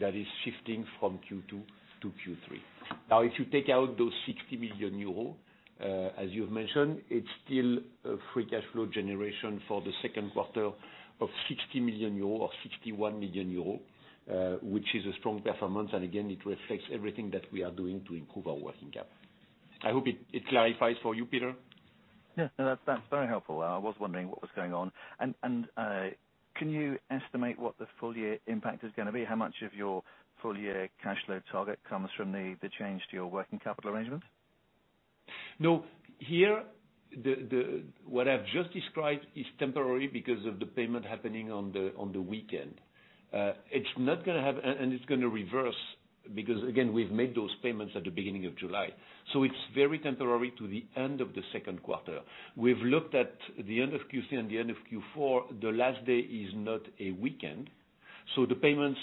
That is shifting from Q2 to Q3. If you take out those 60 million euros, as you have mentioned, it's still a free cash flow generation for the second quarter of 60 million euros or 61 million euros, which is a strong performance. Again, it reflects everything that we are doing to improve our working capital. I hope it clarifies for you, Peter. Yeah. No, that's very helpful. I was wondering what was going on. Can you estimate what the full year impact is going to be? How much of your full year cash flow target comes from the change to your working capital arrangement? No. What I've just described is temporary because of the payment happening on the weekend. It's going to reverse because, again, we've made those payments at the beginning of July. It's very temporary to the end of the second quarter. We've looked at the end of Q3 and the end of Q4, the last day is not a weekend, the payments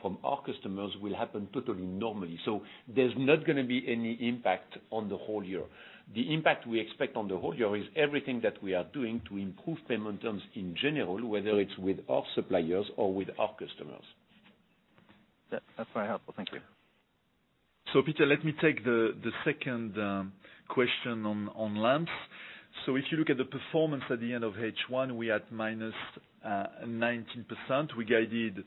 from our customers will happen totally normally. There's not going to be any impact on the whole year. The impact we expect on the whole year is everything that we are doing to improve payment terms in general, whether it's with our suppliers or with our customers. Yeah. That's very helpful. Thank you. Peter, let me take the second question on lamps. If you look at the performance at the end of H1, we had -19%. We guided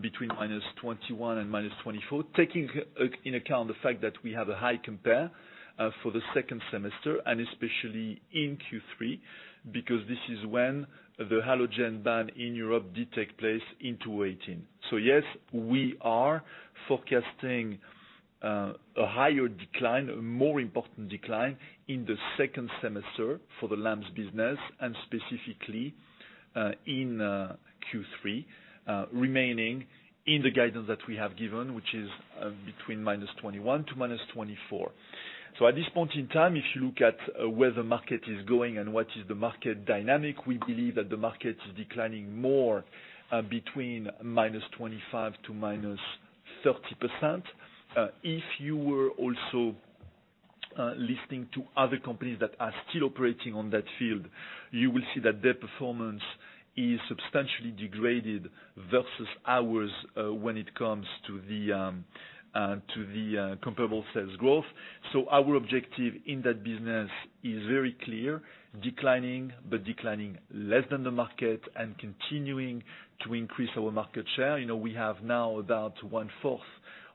between -21% and -24%, taking into account the fact that we have a high compare for the second semester, and especially in Q3, because this is when the halogen ban in Europe did take place in 2018. Yes, we are forecasting a higher decline, a more important decline in the second semester for the lamps business, and specifically in Q3, remaining in the guidance that we have given, which is between -21% to -24%. At this point in time, if you look at where the market is going and what is the market dynamic, we believe that the market is declining more, between -25% to -30%. If you were also listening to other companies that are still operating on that field, you will see that their performance is substantially degraded versus ours when it comes to the comparable sales growth. Our objective in that business is very clear, declining, but declining less than the market and continuing to increase our market share. We have now about 1/4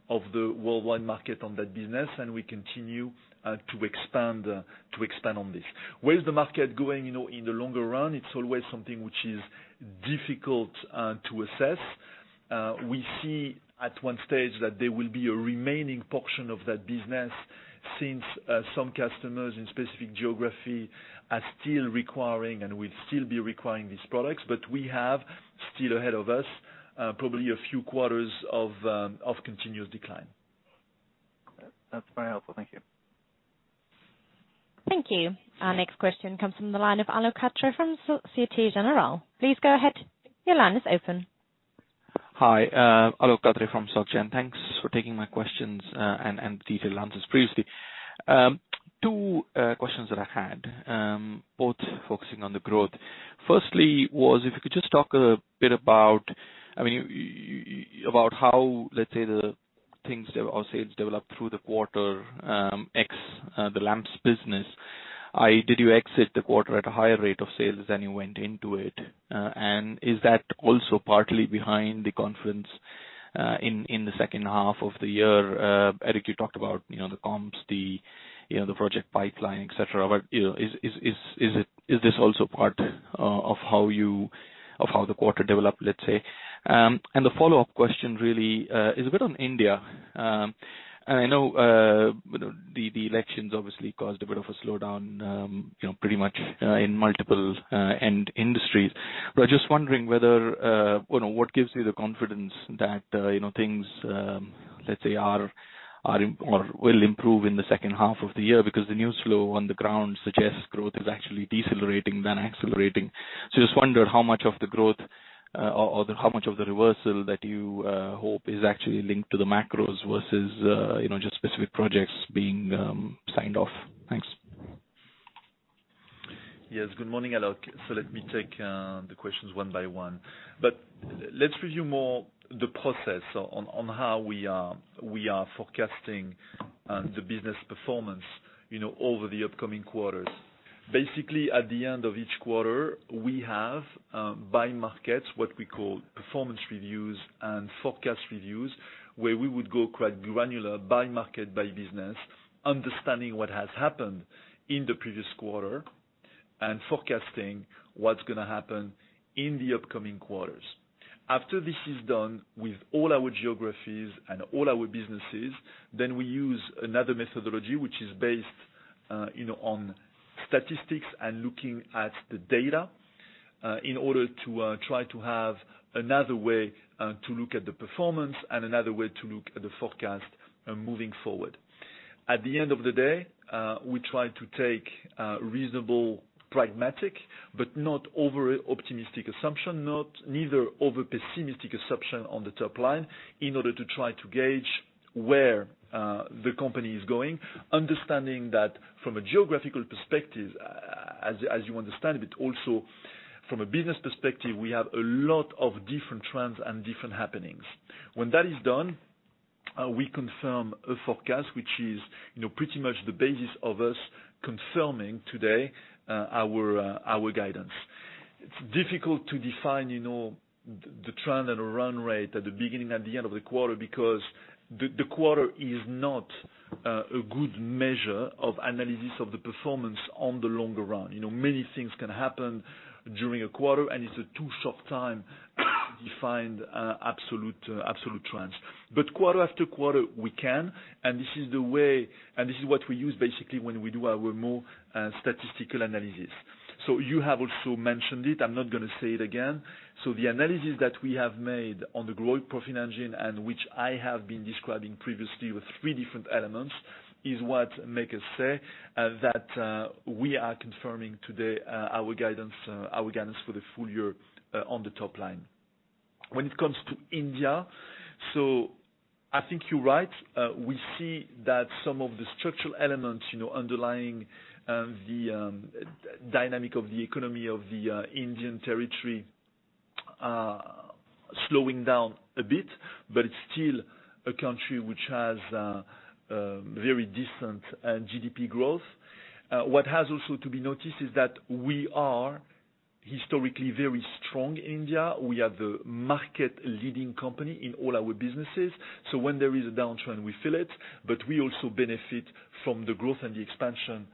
of the worldwide market on that business, and we continue to expand on this. Where is the market going in the longer run? It's always something which is difficult to assess. We see at one stage that there will be a remaining portion of that business since some customers in specific geography are still requiring, and will still be requiring these products. We have still ahead of us probably a few quarters of continuous decline. That's very helpful. Thank you. Thank you. Our next question comes from the line of Alok Katre from Societe Generale. Please go ahead. Your line is open. Hi. Alok Katre from Societe. Thanks for taking my questions and the detailed answers previously. Two questions that I had, both focusing on the growth. Firstly was, if you could just talk a bit about how, let's say the things that our sales developed through the quarter ex the lamps business, did you exit the quarter at a higher rate of sales than you went into it? Is that also partly behind the confidence in the second half of the year? Eric, you talked about the comps, the project pipeline, et cetera, but is this also part of how the quarter developed, let's say? The follow-up question really is a bit on India. I know the elections obviously caused a bit of a slowdown pretty much in multiple end industries. Just wondering what gives you the confidence that things, let's say, are or will improve in the second half of the year because the news flow on the ground suggests growth is actually decelerating than accelerating? Just wonder how much of the growth or how much of the reversal that you hope is actually linked to the macros versus just specific projects being signed off. Thanks. Yes. Good morning, Alok. Let me take the questions one by one. Let's review more the process on how we are forecasting the business performance over the upcoming quarters. Basically, at the end of each quarter, we have, by markets, what we call performance reviews and forecast reviews, where we would go quite granular by market, by business, understanding what has happened in the previous quarter and forecasting what's going to happen in the upcoming quarters. After this is done with all our geographies and all our businesses, we use another methodology, which is based on statistics and looking at the data in order to try to have another way to look at the performance and another way to look at the forecast moving forward. At the end of the day, we try to take a reasonable, pragmatic, but not over-optimistic assumption, neither over-pessimistic assumption on the top line in order to try to gauge where the company is going, understanding that from a geographical perspective, as you understand, but also from a business perspective, we have a lot of different trends and different happenings. When that is done, we confirm a forecast, which is pretty much the basis of us confirming today our guidance. It's difficult to define the trend and run rate at the beginning and the end of the quarter because the quarter is not a good measure of analysis of the performance on the longer run. Many things can happen during a quarter, and it's a too short time to define absolute trends. Quarter-after-quarter, we can, and this is what we use basically when we do our more statistical analysis. You have also mentioned it, I'm not going to say it again. The analysis that we have made on the growing profit engine, and which I have been describing previously with three different elements, is what make us say that we are confirming today our guidance for the full year on the top line. When it comes to India, I think you're right. We see that some of the structural elements underlying the dynamic of the economy of the Indian territory are slowing down a bit, but it's still a country which has very decent GDP growth. What has also to be noticed is that we are historically very strong India. We are the market-leading company in all our businesses. When there is a downturn, we feel it, but we also benefit from the growth and the expansion of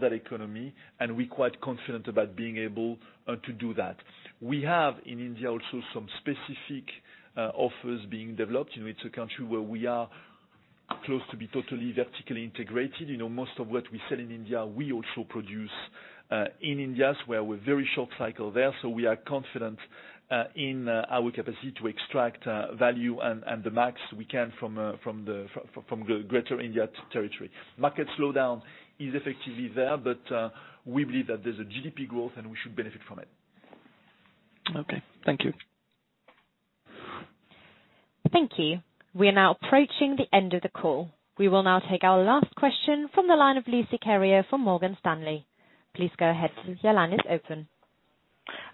that economy, and we're quite confident about being able to do that. We have in India also some specific offers being developed. It's a country where we are close to be totally vertically integrated. Most of what we sell in India, we also produce in India, so we're very short cycle there. We are confident in our capacity to extract value and the max we can from greater India territory. Market slowdown is effectively there, but we believe that there's a GDP growth, and we should benefit from it. Okay. Thank you. Thank you. We are now approaching the end of the call. We will now take our last question from the line of Lucie Carrier from Morgan Stanley. Please go ahead. Your line is open.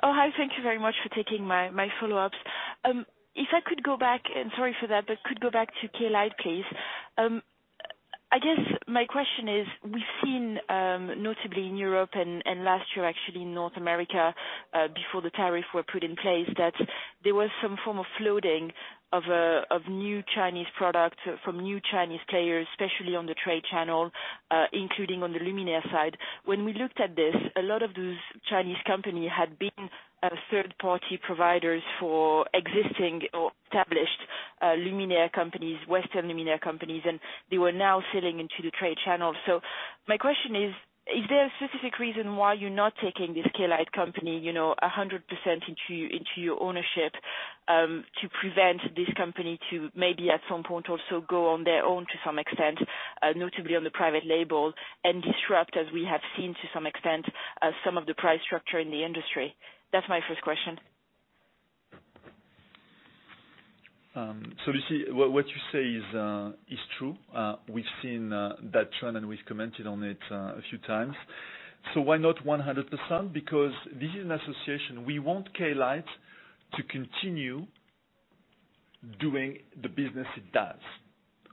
Oh, hi. Thank you very much for taking my follow-ups. If I could go back, and sorry for that, but could go back to Klite Lighting, please. I guess my question is, we've seen notably in Europe and last year, actually in North America, before the tariff were put in place, that there was some form of loading of new Chinese product from new Chinese players, especially on the trade channel, including on the luminaire side. When we looked at this, a lot of those Chinese company had been third-party providers for existing or established luminaire companies, Western luminaire companies, and they were now selling into the trade channel. My question is: Is there a specific reason why you're not taking this Klite company 100% into your ownership to prevent this company to maybe at some point also go on their own to some extent, notably on the private label, and disrupt, as we have seen to some extent, some of the price structure in the industry? That's my first question. Lucie, what you say is true. We've seen that trend and we've commented on it a few times. Why not 100%? Because this is an association. We want Klite to continue doing the business it does,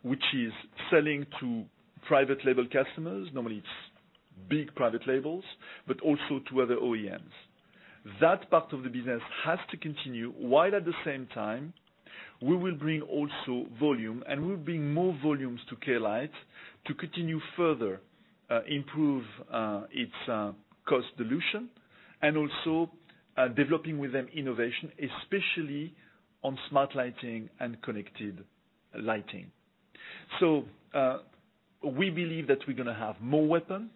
which is selling to private label customers, normally it's big private labels, but also to other OEMs. That part of the business has to continue, while at the same time, we will bring also volume and we will bring more volumes to Klite to continue further improve its cost dilution and also developing with them innovation, especially on smart lighting and connected lighting. We believe that we're going to have more weapon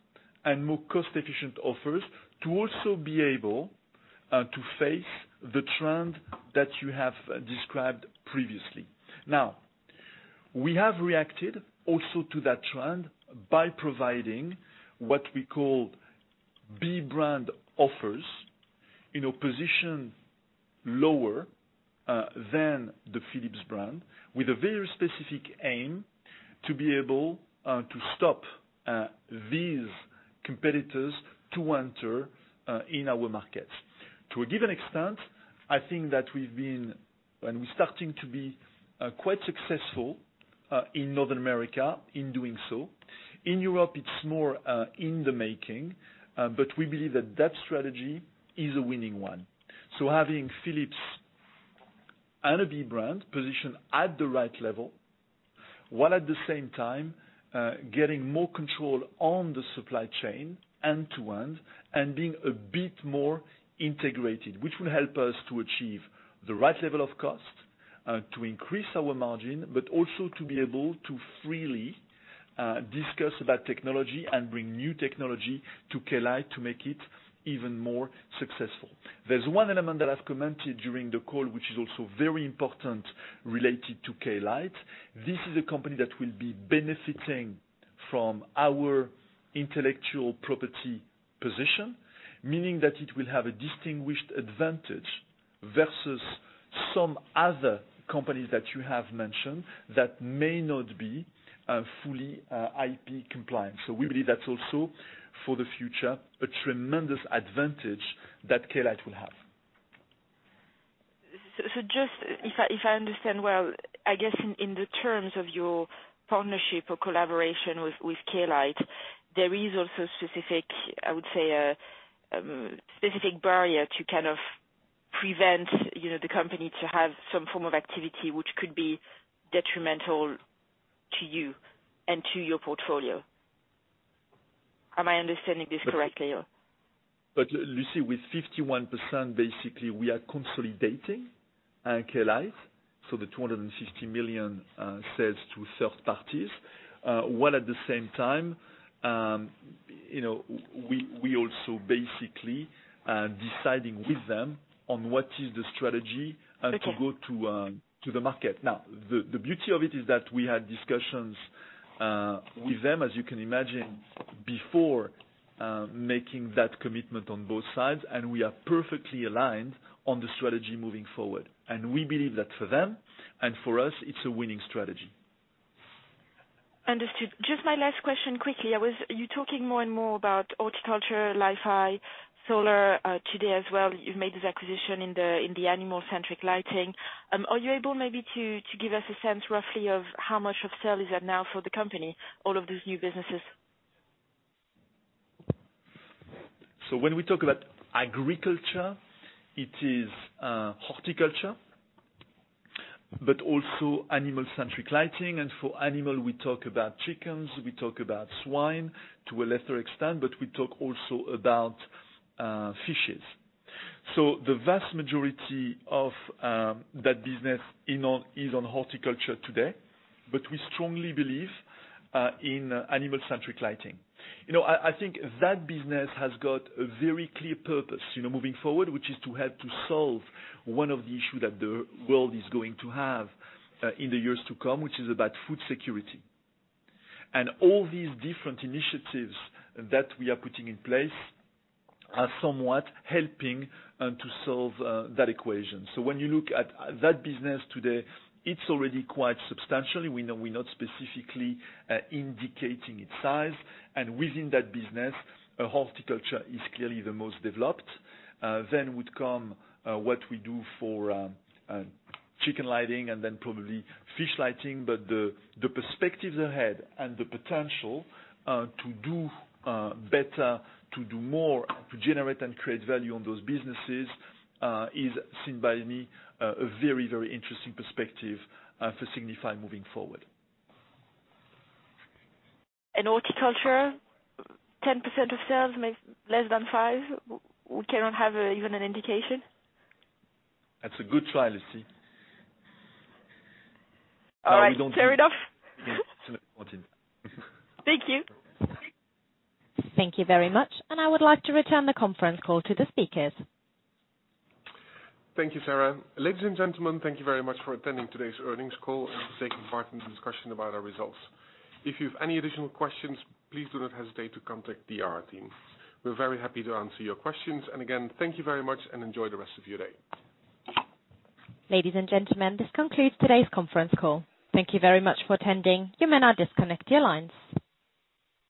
and more cost-efficient offers to also be able to face the trend that you have described previously. We have reacted also to that trend by providing what we call B brand offers, position lower than the Philips brand, with a very specific aim to be able to stop these competitors to enter in our markets. To a given extent, I think that we're starting to be quite successful in North America in doing so. In Europe, it's more in the making. We believe that strategy is a winning one. Having Philips and a B brand positioned at the right level, while at the same time, getting more control on the supply chain end-to-end and being a bit more integrated, which will help us to achieve the right level of cost, to increase our margin, but also to be able to freely discuss about technology and bring new technology to Klite to make it even more successful. There's one element that I've commented during the call which is also very important related to Klite. This is a company that will be benefiting from our intellectual property position, meaning that it will have a distinguished advantage versus some other companies that you have mentioned that may not be fully IP compliant. We believe that's also, for the future, a tremendous advantage that Klite will have. Just if I understand well, I guess in the terms of your partnership or collaboration with Klite, there is also specific barrier to prevent the company to have some form of activity which could be detrimental to you and to your portfolio. Am I understanding this correctly or? Lucie, with 51%, basically, we are consolidating Klite. The 250 million sales to third parties, while at the same time, we also basically deciding with them on what is the strategy. Okay to go to the market. The beauty of it is that we had discussions with them, as you can imagine, before making that commitment on both sides, and we are perfectly aligned on the strategy moving forward. We believe that for them and for us, it's a winning strategy. Understood. Just my last question quickly. You're talking more and more about horticulture, Li-Fi, solar. Today as well, you've made this acquisition in the animal-centric lighting. Are you able maybe to give us a sense roughly of how much of sale is that now for the company, all of these new businesses? When we talk about agriculture, it is horticulture, but also animal-centric lighting. For animal, we talk about chickens, we talk about swine to a lesser extent, but we talk also about fishes. The vast majority of that business is on horticulture today. We strongly believe in animal-centric lighting. I think that business has got a very clear purpose, moving forward, which is to help to solve one of the issue that the world is going to have in the years to come, which is about food security. All these different initiatives that we are putting in place are somewhat helping to solve that equation. When you look at that business today, it's already quite substantial. We know we're not specifically indicating its size, and within that business, horticulture is clearly the most developed. Would come what we do for chicken lighting and then probably fish lighting. The perspectives ahead and the potential to do better, to do more, to generate and create value on those businesses, is seen by me a very, very interesting perspective for Signify moving forward. Horticulture, 10% of sales, maybe less than five? We cannot have even an indication? That's a good try, Lucie. All right. Fair enough. We don't do that. Thank you. Thank you very much. I would like to return the conference call to the speakers. Thank you, Sarah. Ladies and gentlemen, thank you very much for attending today's earnings call and for taking part in the discussion about our results. If you have any additional questions, please do not hesitate to contact the IR team. We're very happy to answer your questions. Again, thank you very much and enjoy the rest of your day. Ladies and gentlemen, this concludes today's conference call. Thank you very much for attending. You may now disconnect your lines.